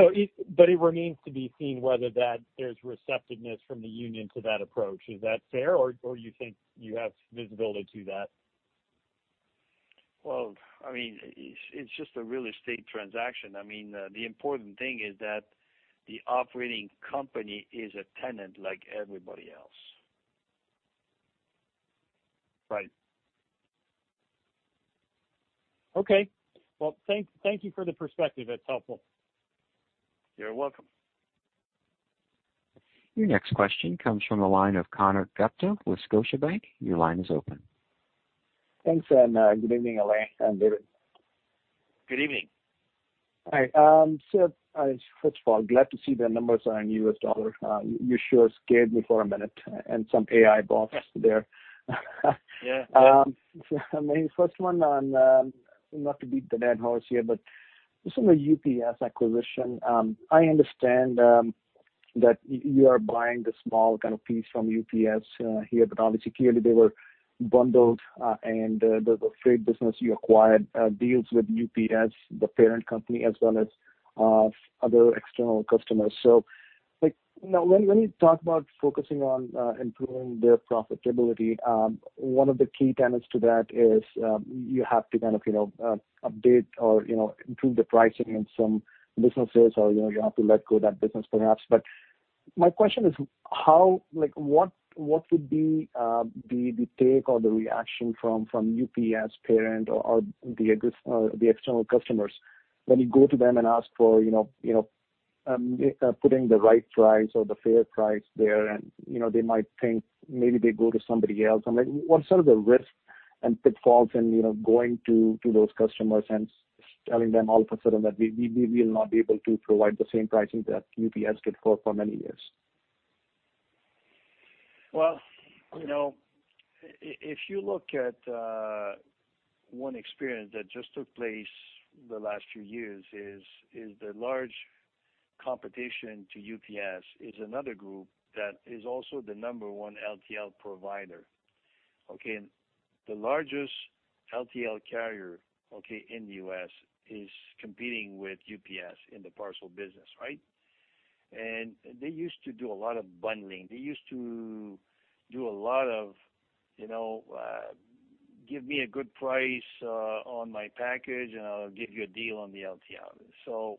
It remains to be seen whether there's receptiveness from the union to that approach. Is that fair, or you think you have visibility to that? Well, it's just a real estate transaction. The important thing is that the operating company is a tenant like everybody else. Right. Okay. Well, thank you for the perspective. It's helpful. You're welcome. Your next question comes from the line of Konark Gupta with Scotiabank. Thanks, good evening, Alain and David. Good evening. Hi. First of all, glad to see the numbers are in US dollar. You sure scared me for one minute and some AI bots there. Yeah. Main first one on, not to beat the dead horse here, but just on the UPS acquisition. I understand that you are buying the small piece from UPS here, obviously, clearly they were bundled. The freight business you acquired deals with UPS, the parent company, as well as other external customers. Now when you talk about focusing on improving their profitability, one of the key tenets to that is you have to update or improve the pricing in some businesses, or you have to let go that business perhaps. My question is: what would be the take or the reaction from UPS parent or the external customers when you go to them and ask for putting the right price or the fair price there? They might think maybe they go to somebody else. What are the risks and pitfalls in going to those customers and telling them all of a sudden that we will not be able to provide the same pricing that UPS could for many years? Well, if you look at one experience that just took place the last few years is the large competition to UPS is another group that is also the number one LTL provider. Okay. The largest LTL carrier, okay, in the U.S. is competing with UPS in the parcel business, right? They used to do a lot of bundling. They used to do a lot of give me a good price on my package, and I'll give you a deal on the LTL.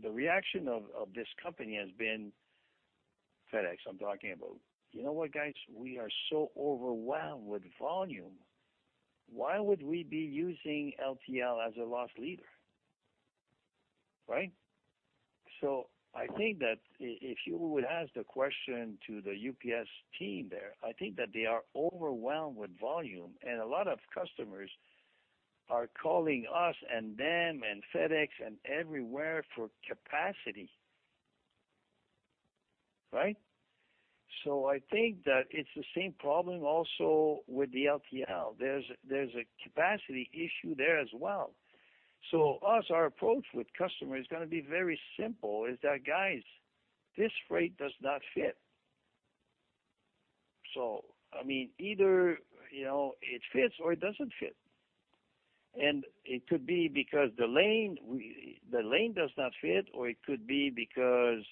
The reaction of this company has been, FedEx, I'm talking about. You know what, guys? We are so overwhelmed with volume. Why would we be using LTL as a loss leader? Right? I think that if you would ask the question to the UPS team there, I think that they are overwhelmed with volume, and a lot of customers are calling us and them and FedEx and everywhere for capacity. Right. I think that it's the same problem also with the LTL. There's a capacity issue there as well. Us, our approach with customers is going to be very simple, is that, "Guys, this freight does not fit." Either it fits or it doesn't fit. It could be because the lane does not fit, or it could be because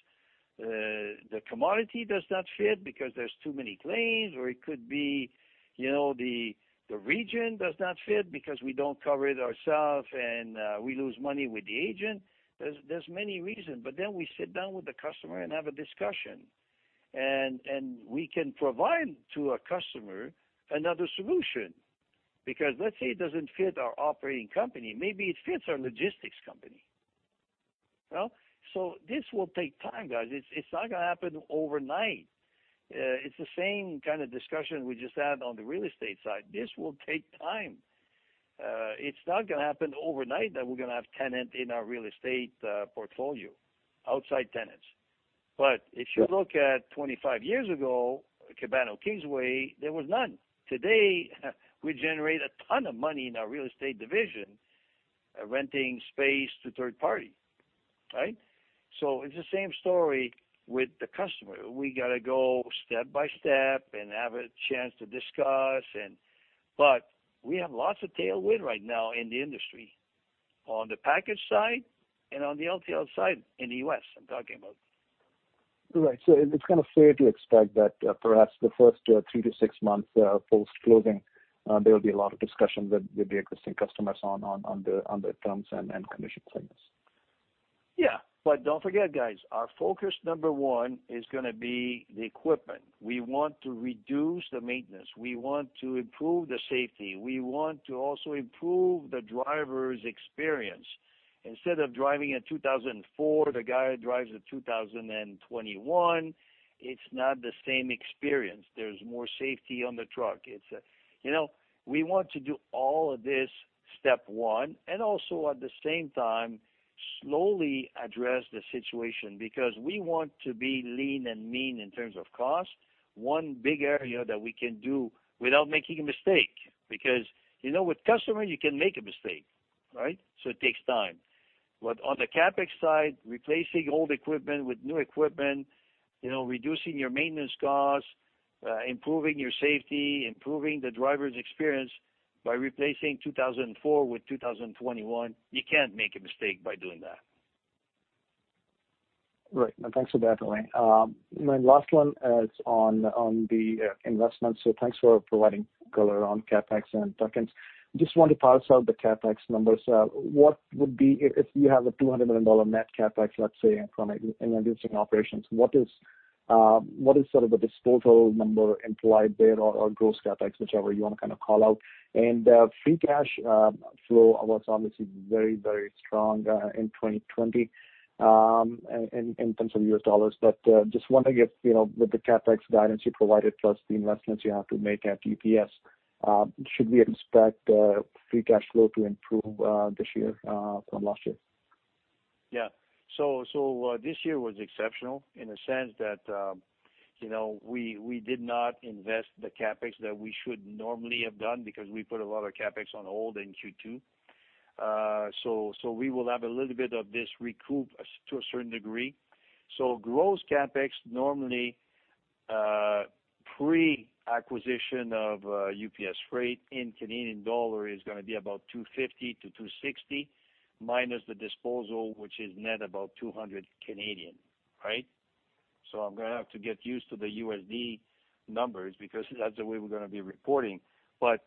the commodity does not fit because there's too many claims, or it could be the region does not fit because we don't cover it ourself, and we lose money with the agent. There's many reasons. We sit down with the customer and have a discussion, and we can provide to a customer another solution. Let's say it doesn't fit our operating company. Maybe it fits our logistics company. This will take time, guys. It's not going to happen overnight. It's the same kind of discussion we just had on the real estate side. This will take time. It's not going to happen overnight that we're going to have tenant in our real estate portfolio, outside tenants. If you look at 25 years ago, Cabano Kingsway, there was none. Today, we generate a ton of money in our real estate division renting space to third party. Right. It's the same story with the customer. We got to go step by step and have a chance to discuss. We have lots of tailwind right now in the industry, on the package side and on the LTL side in the U.S., I'm talking about. Right. It's kind of fair to expect that perhaps the first three to six months post-closing, there will be a lot of discussions with the existing customers on the terms and conditions premise. Yeah. Don't forget, guys. Our focus number one is going to be the equipment. We want to reduce the maintenance. We want to improve the safety. We want to also improve the driver's experience. Instead of driving a 2004, the guy drives a 2021. It's not the same experience. There's more safety on the truck. We want to do all of this step one, and also at the same time, slowly address the situation because we want to be lean and mean in terms of cost. One big area that we can do without making a mistake. With customers, you can make a mistake, right? It takes time. On the CapEx side, replacing old equipment with new equipment, reducing your maintenance cost, improving your safety, improving the driver's experience by replacing 2004 with 2021, you can't make a mistake by doing that. Right. Thanks for that, Alain. My last one is on the investment. Thanks for providing color on CapEx and tuck-ins. Just want to parse out the CapEx numbers. If you have a $200 million net CapEx, let's say, from existing operations, what is sort of the disposal number implied there? Or gross CapEx, whichever you want to kind of call out. Free cash flow was obviously very strong in 2020 in terms of US dollars, but just wondering if, with the CapEx guidance you provided, plus the investments you have to make at UPS, should we expect free cash flow to improve this year from last year? Yeah. This year was exceptional in the sense that we did not invest the CapEx that we should normally have done because we put a lot of CapEx on hold in Q2. We will have a little bit of this recoup to a certain degree. Gross CapEx, normally, pre-acquisition of UPS Freight in CAD is going to be about 250-260, minus the disposal, which is net about 200. Right? I'm going to have to get used to the USD numbers because that's the way we're going to be reporting. That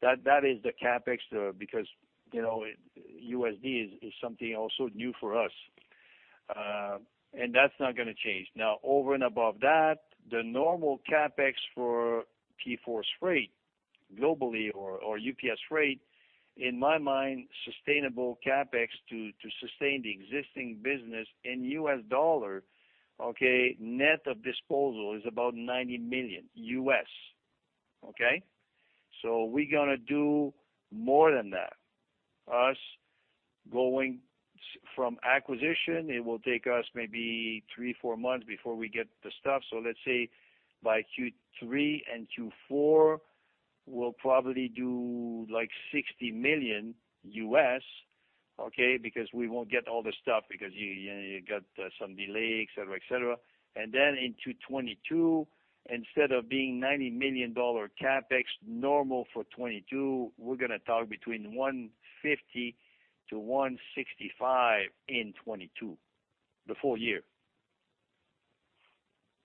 is the CapEx though, because USD is something also new for us. That's not going to change. Over and above that, the normal CapEx for TForce Freight globally or UPS Freight, in my mind, sustainable CapEx to sustain the existing business in US dollars, okay, net of disposal is about $90 million. Okay? We're going to do more than that. Us going from acquisition, it will take us maybe three, four months before we get the stuff. Let's say by Q3 and Q4, we'll probably do like $60 million, okay, because we won't get all the stuff because you got some delay, et cetera. In 2022, instead of being $90 million CapEx normal for 2022, we're going to talk between $150 million-$165 million in 2022, the full year.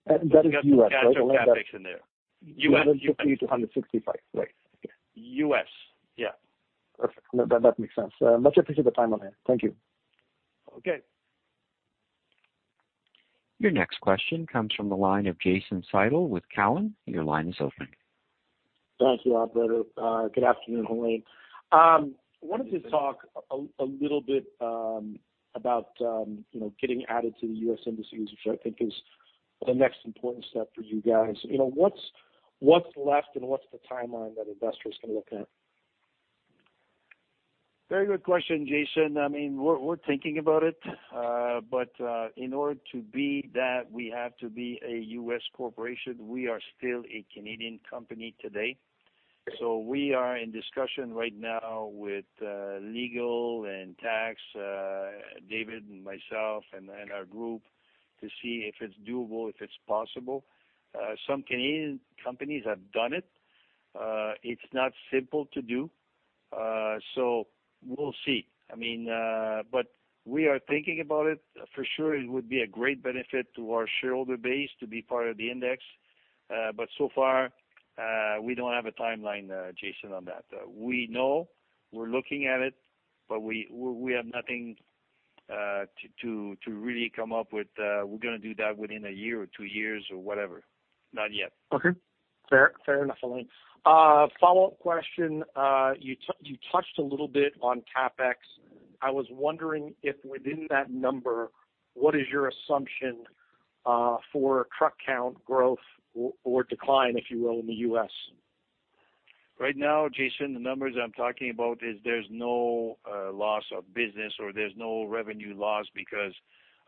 That is U.S., right? We got the catch-up CapEx in there. U.S. $150 million-$165 million, right. Okay. U.S., yeah. Perfect. No, that makes sense. Much appreciated the time, Alain. Thank you. Okay. Your next question comes from the line of Jason Seidl with Cowen. Your line is open. Thank you, operator. Good afternoon, Alain. I wanted to talk a little bit about getting added to the U.S. indices, which I think is the next important step for you guys. What's left and what's the timeline that investors can look at? Very good question, Jason. I mean, we're thinking about it. In order to be that, we have to be a U.S. corporation. We are still a Canadian company today. Okay. We are in discussion right now with legal and tax, David and myself and our group to see if it's doable, if it's possible. Some Canadian companies have done it. It's not simple to do. We'll see. We are thinking about it. For sure, it would be a great benefit to our shareholder base to be part of the index. So far, we don't have a timeline, Jason, on that. We know we're looking at it, but we have nothing to really come up with, we're going to do that within a year or two years or whatever. Not yet. Okay. Fair enough, Alain. Follow-up question. You touched a little bit on CapEx. I was wondering if within that number, what is your assumption for truck count growth or decline, if you will, in the U.S.? Right now, Jason, the numbers I'm talking about is there's no loss of business or there's no revenue loss because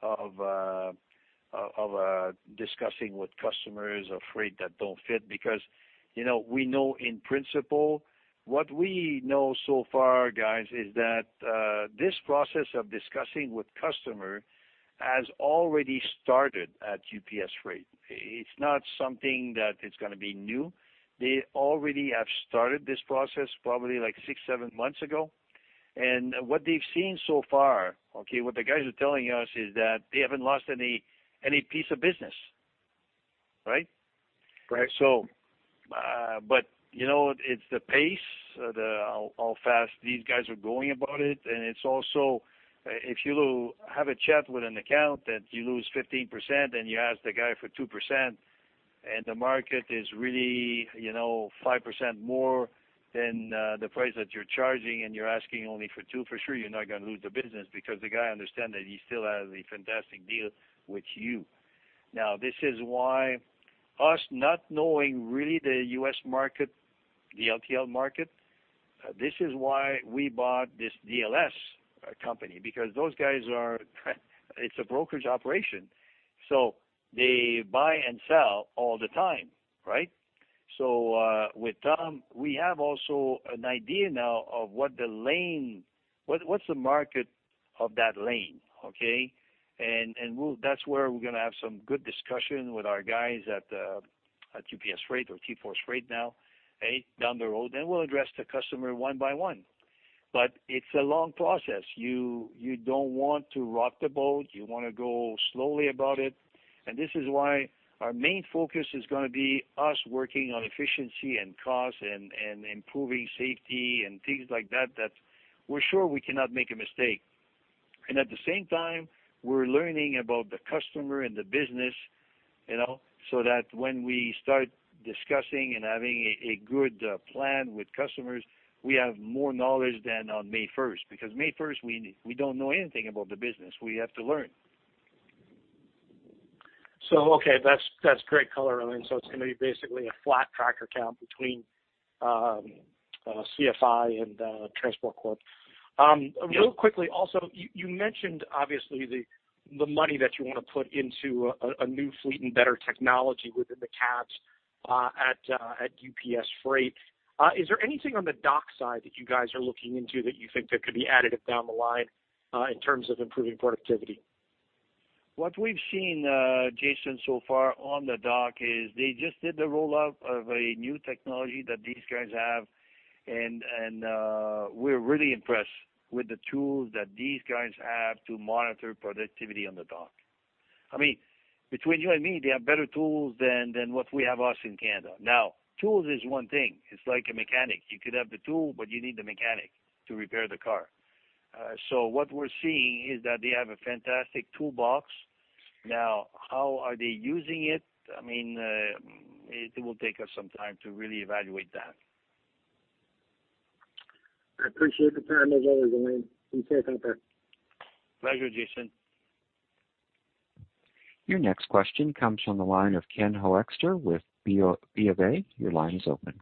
of discussing with customers or freight that don't fit because we know in principle. What we know so far, guys, is that this process of discussing with customer has already started at UPS Freight. It's not something that is going to be new. They already have started this process probably like six, seven months ago. What they've seen so far, okay, what the guys are telling us is that they haven't lost any piece of business. Right? Right. It's the pace, how fast these guys are going about it, and it's also, if you have a chat with an account that you lose 15% and you ask the guy for 2%, and the market is really 5% more than the price that you're charging, and you're asking only for two, for sure, you're not going to lose the business because the guy understand that he still has a fantastic deal with you. This is why us not knowing really the U.S. market, the LTL market, this is why we bought this DLS company, because it's a brokerage operation, so they buy and sell all the time, right? With Tom, we have also an idea now of what's the market of that lane. Okay. That's where we're going to have some good discussion with our guys at UPS Freight or TForce Freight now, down the road, then we'll address the customer one by one. It's a long process. You don't want to rock the boat. You want to go slowly about it. This is why our main focus is going to be us working on efficiency and cost and improving safety and things like that we're sure we cannot make a mistake. At the same time, we're learning about the customer and the business, so that when we start discussing and having a good plan with customers, we have more knowledge than on May 1st, because May 1st, we don't know anything about the business. We have to learn. Okay. That's great color, Alain. It's going to be basically a flat tractor count between CFI and Transport Corp. Yeah. Real quickly also, you mentioned obviously the money that you want to put into a new fleet and better technology within the cabs at UPS Freight. Is there anything on the dock side that you guys are looking into that you think that could be added down the line, in terms of improving productivity? What we've seen, Jason, so far on the dock is they just did the rollout of a new technology that these guys have, and we're really impressed with the tools that these guys have to monitor productivity on the dock. Between you and me, they have better tools than what we have us in Canada. Now, tools is one thing. It's like a mechanic. You could have the tool, but you need the mechanic to repair the car. What we're seeing is that they have a fantastic toolbox. Now, how are they using it? It will take us some time to really evaluate that. I appreciate the time as always, Alain. Be safe out there. Pleasure, Jason. Your next question comes from the line of Ken Hoexter with BofA. Your line is open.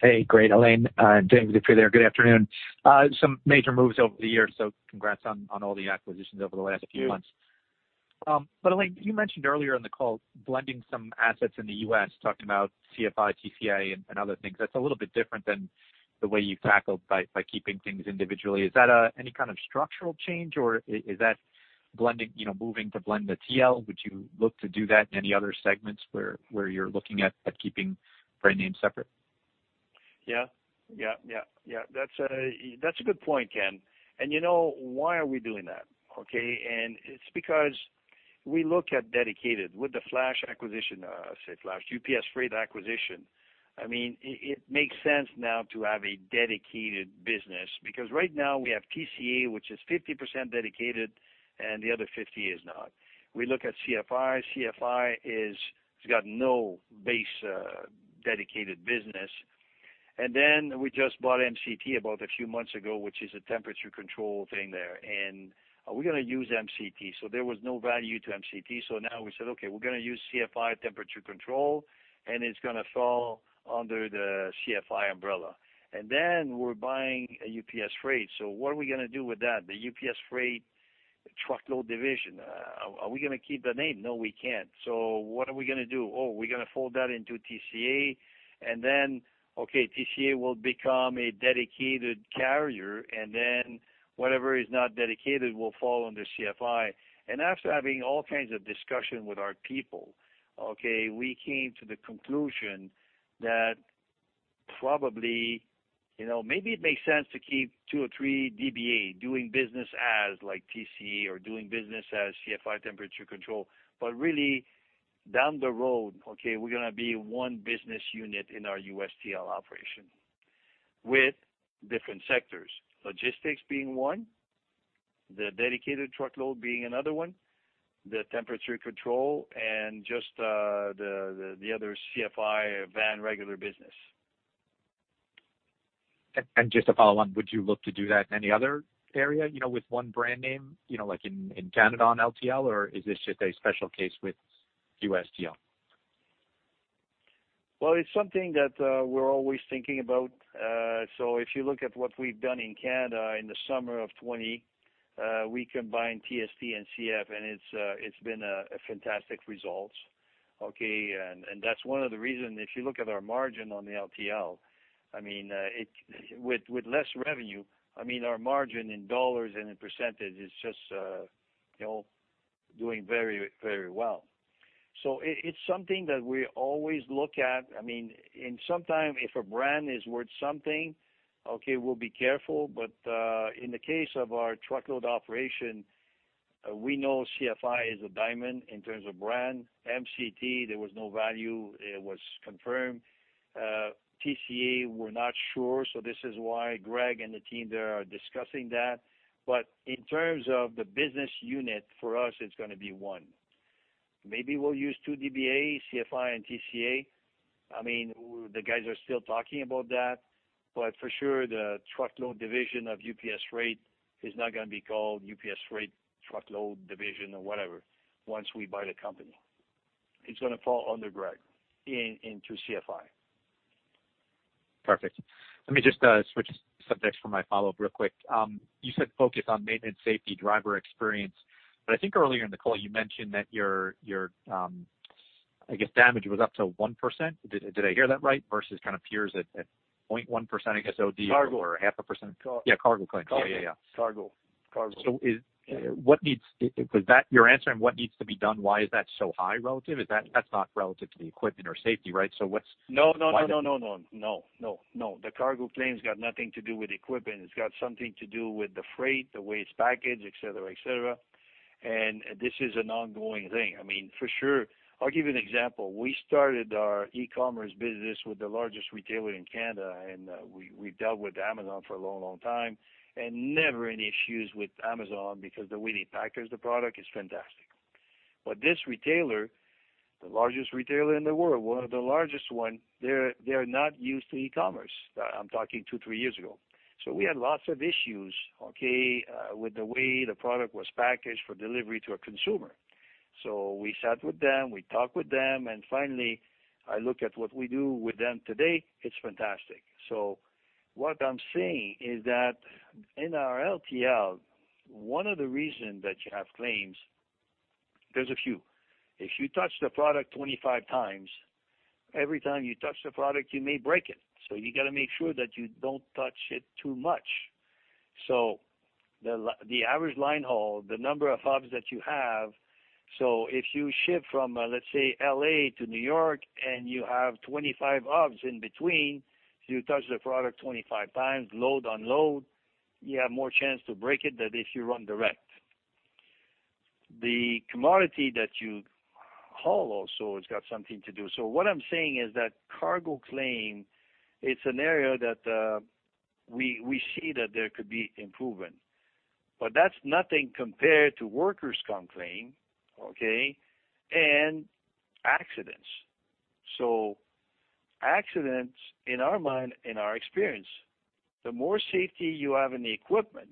Hey. Great, Alain. Dan, good for you there. Good afternoon. Some major moves over the year, so congrats on all the acquisitions over the last few months. Thank you. Alain, you mentioned earlier in the call blending some assets in the U.S., talking about CFI, TCA, and other things. That is a little bit different than the way you have tackled by keeping things individually. Is that any kind of structural change, or is that blending, moving to blend the TL? Would you look to do that in any other segments where you are looking at keeping brand names separate? Yeah. That's a good point, Ken. Why are we doing that? Okay. It's because we look at dedicated with the Flash acquisition, I say Flash, UPS Freight acquisition. It makes sense now to have a dedicated business because right now we have TCA, which is 50% dedicated and the other 50% is not. We look at CFI. CFI is got no base dedicated business. Then we just bought MCT about a few months ago, which is a temperature control thing there. Are we going to use MCT? There was no value to MCT. Now we said, "Okay, we're going to use CFI temperature control, and it's going to fall under the CFI umbrella." Then we're buying a UPS Freight. What are we going to do with that? The UPS Freight truckload division. Are we going to keep the name? No, we can't. What are we going to do? We're going to fold that into TCA, and then TCA will become a dedicated carrier, and then whatever is not dedicated will fall under CFI. After having all kinds of discussion with our people, we came to the conclusion that probably, maybe it makes sense to keep two or three DBA, Doing Business As like TCA or Doing Business As CFI temperature control. Really down the road, we're going to be one business unit in our USTL operation with different sectors. Logistics being one, the dedicated truckload being another one, the temperature control, and just the other CFI van regular business. Just a follow on, would you look to do that in any other area, with one brand name, like in Canada on LTL, or is this just a special case with USTL? It's something that we're always thinking about. If you look at what we've done in Canada in the summer of 2020, we combined TST and CF, and it's been a fantastic results. That's one of the reason, if you look at our margin on the LTL, with less revenue, our margin in dollars and in percentage is just doing very well. It's something that we always look at. Sometimes if a brand is worth something, we'll be careful. In the case of our truckload operation, we know CFI is a diamond in terms of brand. MCT, there was no value. It was confirmed. TCA, we're not sure. This is why Greg and the team there are discussing that. In terms of the business unit, for us, it's going to be one. Maybe we'll use two DBAs, CFI and TCA. The guys are still talking about that. For sure, the truckload division of UPS Freight is not going to be called UPS Freight truckload division or whatever once we buy the company. It's going to fall under Greg into CFI. Perfect. Let me just switch subjects for my follow-up real quick. You said focus on maintenance, safety, driver experience, but I think earlier, in the call, you mentioned that your, I guess, damage was up to 1%. Did I hear that right? Versus kind of peers at 0.1%, I guess, OD. Cargo. Half a percent. Yeah, cargo claims. Yeah. Cargo. You're answering what needs to be done, why is that so high relative? That's not relative to the equipment or safety, right? No. The cargo claim's got nothing to do with equipment. It's got something to do with the freight, the way it's packaged, et cetera. This is an ongoing thing. I mean, for sure. I'll give you an example. We started our e-commerce business with the largest retailer in Canada, and we've dealt with Amazon for a long time, and never any issues with Amazon because the way they package the product is fantastic. This retailer, the largest retailer in the world, one of the largest ones, they're not used to e-commerce. I'm talking two, three years ago. We had lots of issues, okay, with the way the product was packaged for delivery to a consumer. We sat with them, we talked with them, and finally, I look at what we do with them today, it's fantastic. What I'm saying is that in our LTL, one of the reasons that you have claims, there's a few. If you touch the product 25 times, every time you touch the product, you may break it. You got to make sure that you don't touch it too much. The average line haul, the number of hubs that you have, so if you ship from, let's say, L.A. to New York, and you have 25 hubs in between, so you touch the product 25 times, load, unload, you have more chance to break it than if you run direct. The commodity that you haul also has got something to do. What I'm saying is that cargo claim, it's an area that we see that there could be improvement. That's nothing compared to workers' comp claim, okay, and accidents. Accidents, in our mind, in our experience, the more safety you have in the equipment,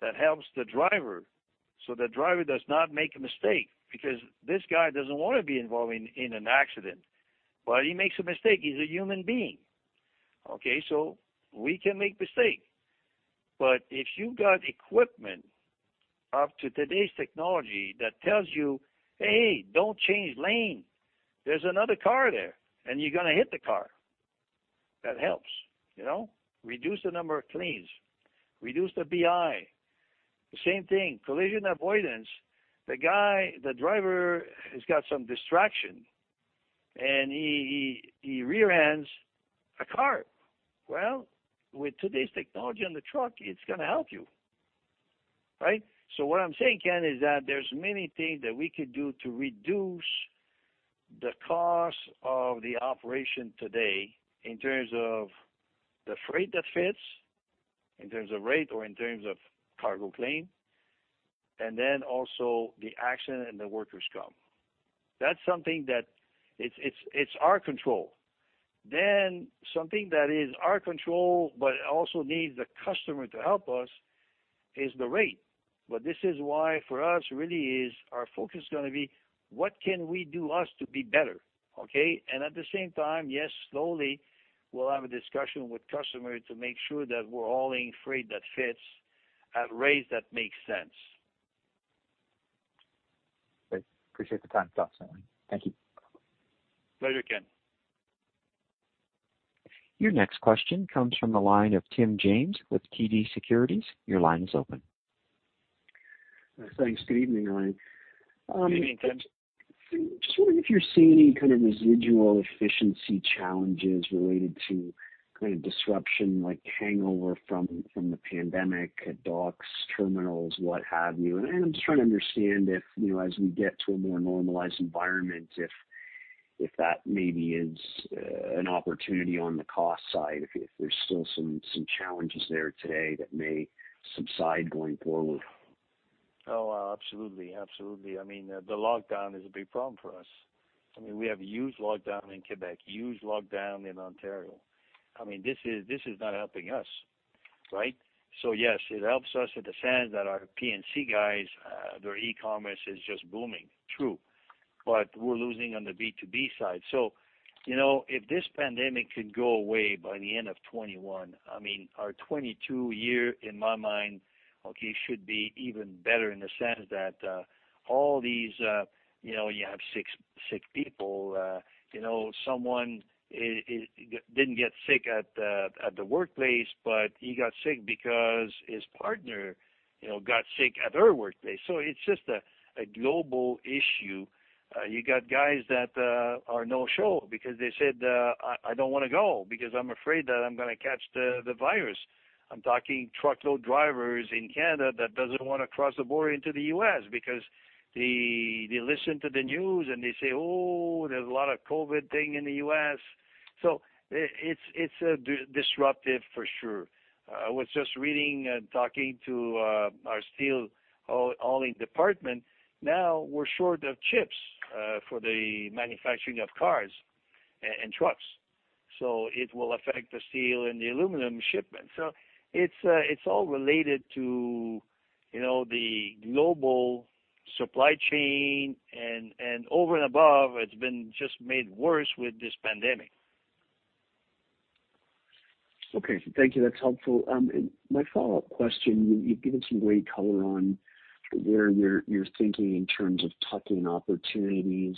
that helps the driver, so the driver does not make a mistake, because this guy doesn't want to be involved in an accident, but he makes a mistake. He's a human being. Okay, we can make mistakes. If you've got equipment up to today's technology that tells you, "Hey, don't change lane. There's another car there, and you're going to hit the car." That helps. Reduce the number of claims. Reduce the BI. The same thing, collision avoidance. The driver has got some distraction, and he rear-ends a car. With today's technology on the truck, it's going to help you. Right? What I'm saying, Ken, is that there's many things that we could do to reduce the cost of the operation today in terms of the freight that fits, in terms of rate or in terms of cargo claim, and then also the accident and the workers' comp. That's something that it's our control. Something that is our control, but also needs the customer to help us, is the rate. This is why for us really is our focus going to be what can we do us to be better, okay? At the same time, yes, slowly, we'll have a discussion with customer to make sure that we're hauling freight that fits at rates that make sense. Great. Appreciate the time some. Thank you. Pleasure, Ken. Your next question comes from the line of Tim James with TD Securities. Your line is open. Thanks. Good evening, Alain. Good evening, Tim. Just wondering if you're seeing any kind of residual efficiency challenges related to kind of disruption like hangover from the pandemic at docks, terminals, what have you? I'm just trying to understand if, as we get to a more normalized environment, if that maybe is an opportunity on the cost side, if there's still some challenges there today that may subside going forward. Absolutely. The lockdown is a big problem for us. We have a huge lockdown in Quebec, huge lockdown in Ontario. This is not helping us, right? Yes, it helps us in the sense that our P&C guys, their e-commerce is just booming. True. We're losing on the B2B side. If this pandemic could go away by the end of 2021, our 2022 year, in my mind, okay, should be even better in the sense that you have six people. Someone didn't get sick at the workplace, but he got sick because his partner got sick at her workplace. It's just a global issue. You got guys that are no-show because they said, "I don't want to go because I'm afraid that I'm going to catch the virus." I'm talking truckload drivers in Canada that doesn't want to cross the border into the U.S. because they listen to the news and they say, "Oh, there's a lot of COVID thing in the U.S." It's disruptive for sure. I was just reading and talking to our steel hauling department. Now we're short of chips for the manufacturing of cars and trucks. It will affect the steel and the aluminum shipment. It's all related to the global supply chain and over and above, it's been just made worse with this pandemic. Okay. Thank you. That's helpful. My follow-up question, you've given some great color on where you're thinking in terms of tuck-in opportunities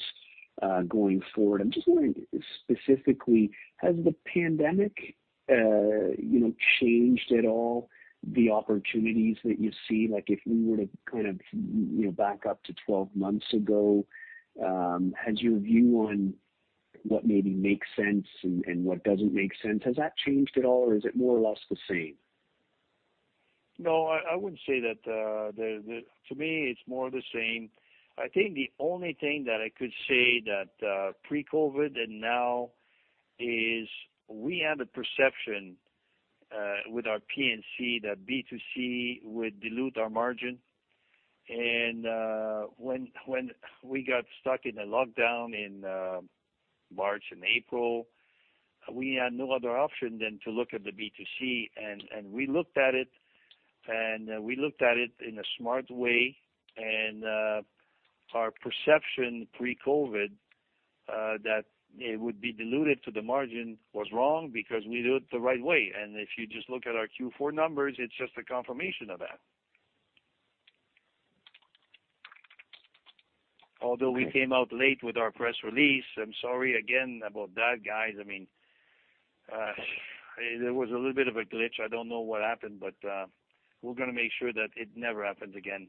going forward. I'm just wondering specifically, has the pandemic changed at all the opportunities that you see? If we were to back up to 12 months ago, has your view on what maybe makes sense and what doesn't make sense, has that changed at all, or is it more or less the same? I would say that to me it's more the same. I think the only thing that I could say that pre-COVID and now is we had a perception with our P&C that B2C would dilute our margin. When we got stuck in a lockdown in March and April, we had no other option than to look at the B2C, and we looked at it in a smart way. Our perception pre-COVID, that it would be diluted to the margin was wrong because we did it the right way. If you just look at our Q4 numbers, it's just a confirmation of that. Although we came out late with our press release. I'm sorry again about that, guys. There was a little bit of a glitch. I don't know what happened, but we're going to make sure that it never happens again.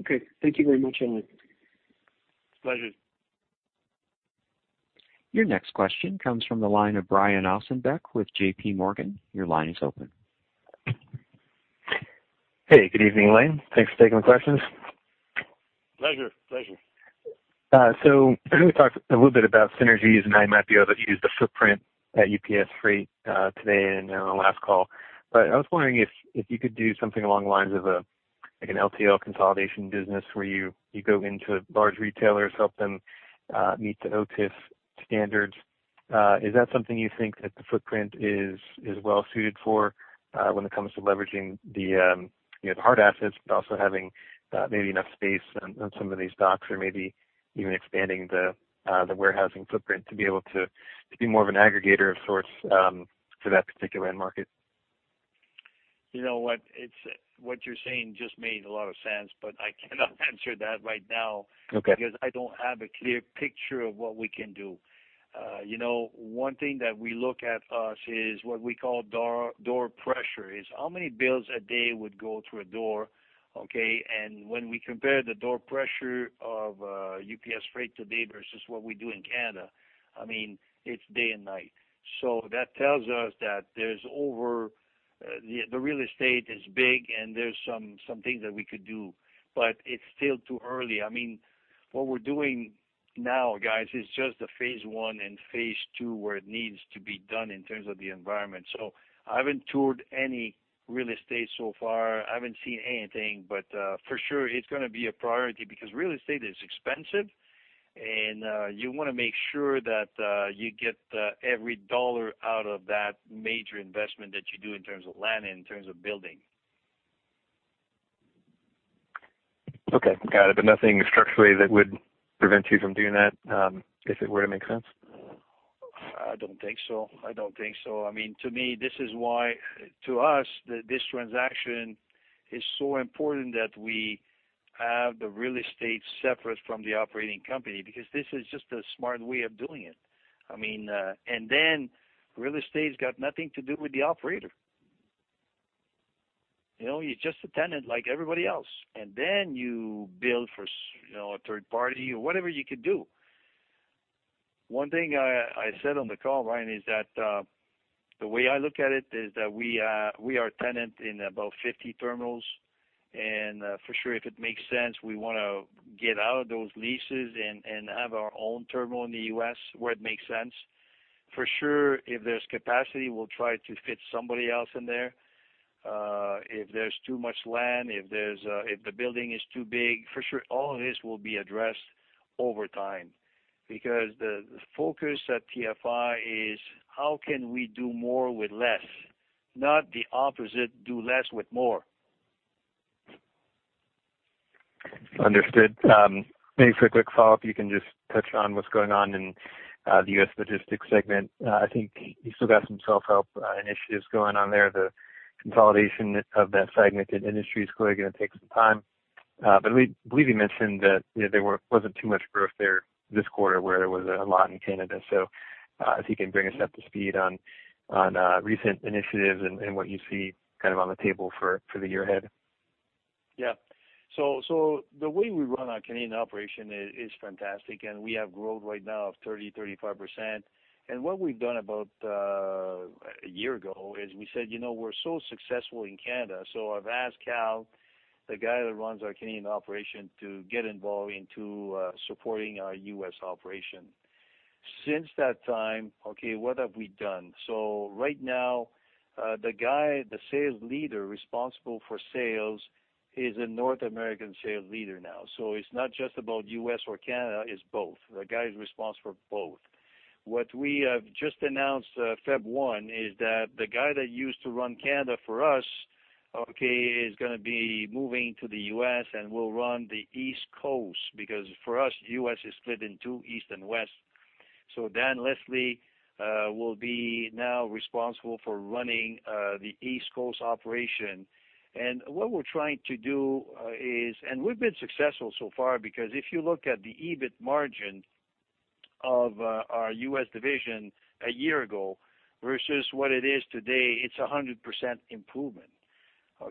Okay. Thank you very much, Alain. Pleasure. Your next question comes from the line of Brian Ossenbeck with JPMorgan. Your line is open. Hey, good evening, Alain. Thanks for taking the questions. Pleasure. I know we talked a little bit about synergies and how you might be able to use the footprint at UPS Freight today and on the last call. I was wondering if you could do something along the lines of an LTL consolidation business where you go into large retailers, help them meet the OTIF standards. Is that something you think that the footprint is well suited for when it comes to leveraging the hard assets, but also having maybe enough space on some of these docks or maybe even expanding the warehousing footprint to be able to be more of an aggregator of sorts for that particular end market? You know what? What you're saying just made a lot of sense, but I cannot answer that right now. Okay. I don't have a clear picture of what we can do. One thing that we look at us is what we call door pressure. Is how many bills a day would go through a door, okay? When we compare the door pressure of UPS Freight today versus what we do in Canada, it's day and night. That tells us that the real estate is big and there's some things that we could do. It's still too early. What we're doing now, guys, is just the phase I and phase II, where it needs to be done in terms of the environment. I haven't toured any real estate so far. I haven't seen anything. For sure, it's going to be a priority because real estate is expensive, and you want to make sure that you get every dollar out of that major investment that you do in terms of land, in terms of building. Okay, got it. Nothing structurally that would prevent you from doing that, if it were to make sense? I don't think so. To me, this is why to us, this transaction is so important that we have the real estate separate from the operating company, because this is just a smart way of doing it. Real estate's got nothing to do with the operate. You're just a tenant like everybody else. You build for a third party or whatever you could do. One thing I said on the call, Brian, is that the way I look at it is that we are a tenant in about 50 terminals. For sure, if it makes sense, we want to get out of those leases and have our own terminal in the U.S. where it makes sense. For sure, if there's capacity, we'll try to fit somebody else in there. If there's too much land, if the building is too big, for sure, all of this will be addressed over time because the focus at TFI is how can we do more with less, not the opposite, do less with more. Understood. Maybe for a quick follow-up, you can just touch on what's going on in the U.S. Logistics segment. I think you still got some self-help initiatives going on there. The consolidation of that segment and industry is clearly going to take some time. I believe you mentioned that there wasn't too much growth there this quarter where there was a lot in Canada. If you can bring us up to speed on recent initiatives and what you see on the table for the year ahead. The way we run our Canadian operation is fantastic. We have growth right now of 30%, 35%. What we've done about a year ago is we said, "We're so successful in Canada." I've asked Kal, the guy that runs our Canadian operation, to get involved into supporting our U.S. operation. Since that time, what have we done? Right now, the sales leader responsible for sales is a North American sales leader now. It's not just about U.S. or Canada, it's both. The guy is responsible for both. What we have just announced February 1 is that the guy that used to run Canada for us is going to be moving to the U.S. and will run the East Coast, because for us, the U.S. is split in two, East and West. Dan Leslie will be now responsible for running the East Coast operation. What we're trying to do is, and we've been successful so far, because if you look at the EBIT margin of our U.S. division a year ago versus what it is today, it's 100% improvement.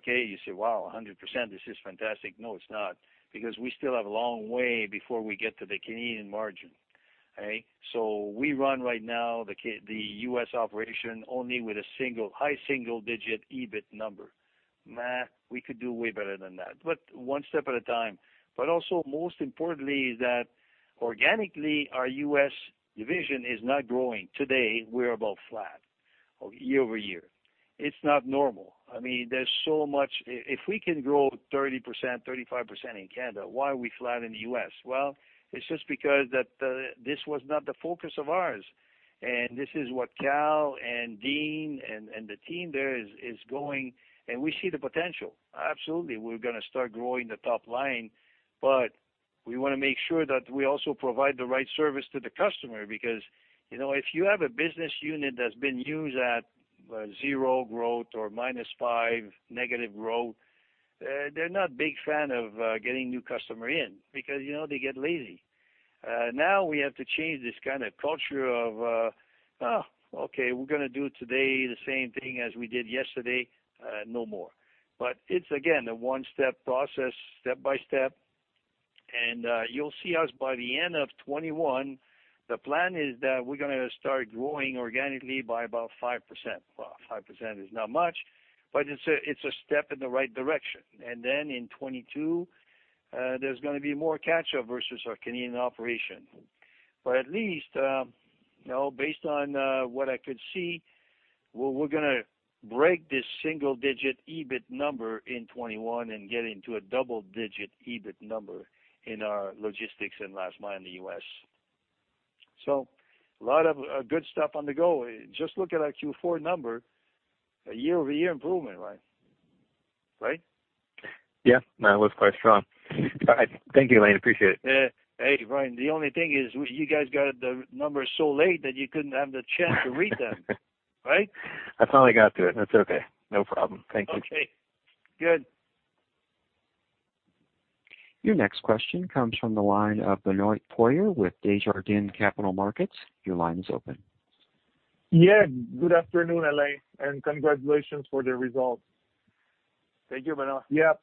You say, "Wow, 100%. This is fantastic." No, it's not, because we still have a long way before we get to the Canadian margin. We run right now, the U.S. operation only with a high single-digit EBIT number. We could do way better than that, but one step at a time. Also most importantly is that organically, our U.S. division is not growing. Today, we're about flat year-over-year. It's not normal. If we can grow 30%, 35% in Canada, why are we flat in the U.S.? It's just because this was not the focus of ours, and this is what Kal and Dean and the team there is going, and we see the potential. Absolutely, we're going to start growing the top line, but we want to make sure that we also provide the right service to the customer. If you have a business unit that's been used at zero growth or minus five negative growth, they're not big fan of getting new customer in because they get lazy. Now we have to change this kind of culture of, "Okay, we're going to do today the same thing as we did yesterday." No more. It's again, a one-step process, step-by-step, and you'll see us by the end of 2021. The plan is that we're going to start growing organically by about 5%. Well, 5% is not much, it's a step in the right direction. In 2022, there's going to be more catch-up versus our Canadian operation. At least, based on what I could see, we're going to break this single-digit EBIT number in 2021 and get into a double-digit EBIT number in our logistics and last mile in the U.S. A lot of good stuff on the go. Just look at our Q4 number, a year-over-year improvement, Brian, right? Yeah, that was quite strong. All right. Thank you, Alain. Appreciate it. Yeah. Hey, Brian, the only thing is you guys got the numbers so late that you couldn't have the chance to read them, right? I finally got to it. That's okay. No problem. Thank you. Okay, good. Your next question comes from the line of Benoit Poirier with Desjardins Capital Markets. Your line is open. Yeah. Good afternoon, Alain, and congratulations for the results. Thank you, Benoit. Yeah.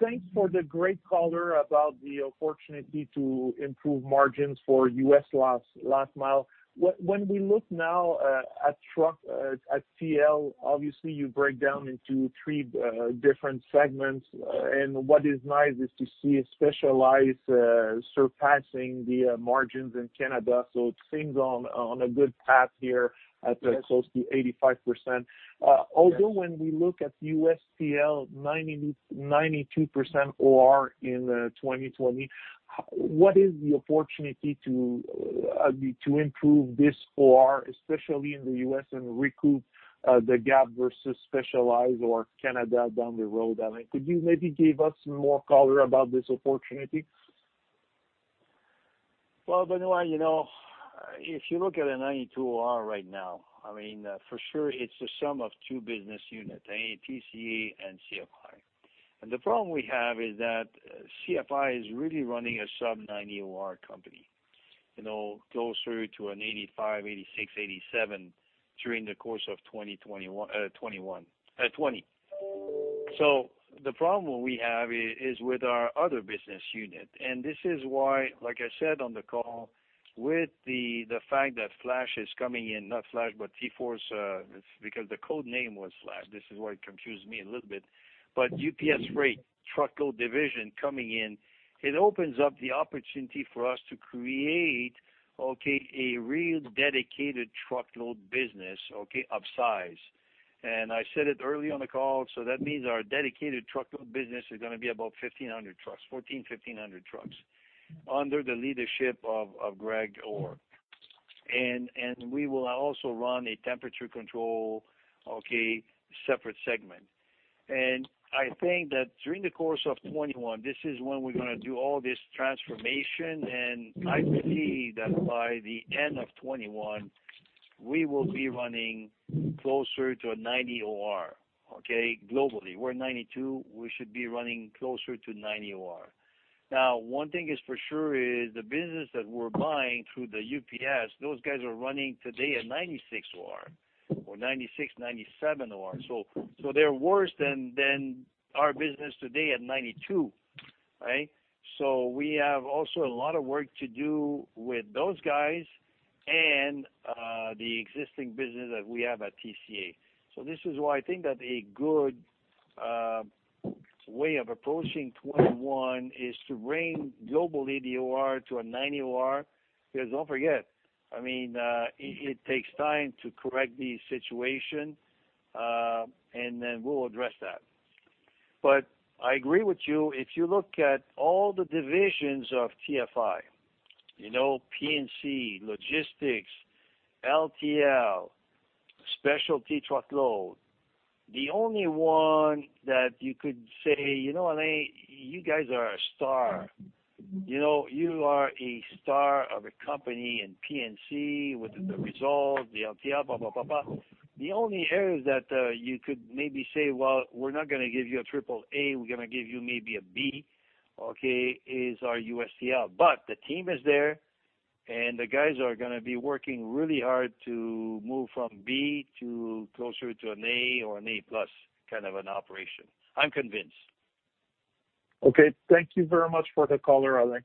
Thanks for the great color about the opportunity to improve margins for U.S. last mile. When we look now at TL, obviously you break down into three different segments, and what is nice is to see specialized surpassing the margins in Canada. It seems on a good path here at close to 85%. Although when we look at U.S. TL, 92% OR in 2020, what is the opportunity to improve this OR, especially in the U.S. and recoup the gap versus specialized or Canada down the road, Alain? Could you maybe give us more color about this opportunity? Well, Benoit, if you look at a 92 OR right now, for sure, it's the sum of two business units, TCA and CFI. The problem we have is that CFI is really running a sub-90 OR company. Goes through to an 85, 86, 87 during the course of 2020. The problem we have is with our other business unit, and this is why, like I said on the call, with the fact that Flash is coming in, not Flash, but TForce, because the code name was Flash. This is why it confused me a little bit. UPS Freight, truckload division coming in, it opens up the opportunity for us to create a real dedicated truckload business of size. I said it early on the call, that means our dedicated truckload business is going to be about 1,500 trucks, 1,400, 1,500 trucks under the leadership of Greg Orr. We will also run a temperature control separate segment. I think that during the course of 2021, this is when we're going to do all this transformation, and I believe that by the end of 2021, we will be running closer to a 90 OR globally. We're 92, we should be running closer to 90 OR. One thing is for sure is the business that we're buying through the UPS, those guys are running today at 96 OR or 96, 97 OR. They're worse than our business today at 92, right? We have also a lot of work to do with those guys and the existing business that we have at TCA. This is why I think that a good way of approaching 2021 is to bring globally the OR to a 90 OR. Don't forget, it takes time to correct the situation, and then we'll address that. I agree with you. If you look at all the divisions of TFI, P&C, logistics, LTL, specialty truckload, the only one that you could say, "You know what, Alain, you guys are a star. You are a star of a company in P&C with the results, the LTL, ba, ba, ba." The only areas that you could maybe say, "Well, we're not going to give you a triple A, we're going to give you maybe a B," is our U.S. TL. The team is there, and the guys are going to be working really hard to move from B to closer to an A or an A+ kind of an operation. I'm convinced. Okay. Thank you very much for the color, Alain.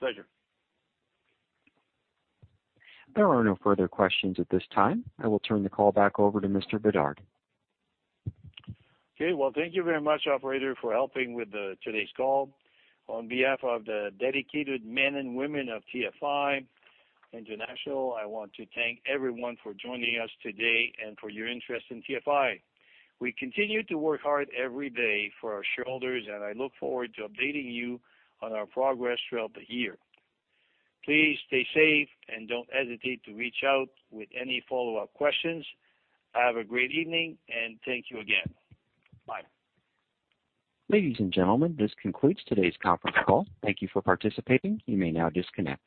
Pleasure. There are no further questions at this time. I will turn the call back over to Mr. Bédard. Okay. Well, thank you very much, operator, for helping with today's call. On behalf of the dedicated men and women of TFI International, I want to thank everyone for joining us today and for your interest in TFI. We continue to work hard every day for our shareholders, and I look forward to updating you on our progress throughout the year. Please stay safe and don't hesitate to reach out with any follow-up questions. Have a great evening and thank you again. Bye. Ladies and gentlemen, this concludes today's conference call. Thank you for participating. You may now disconnect.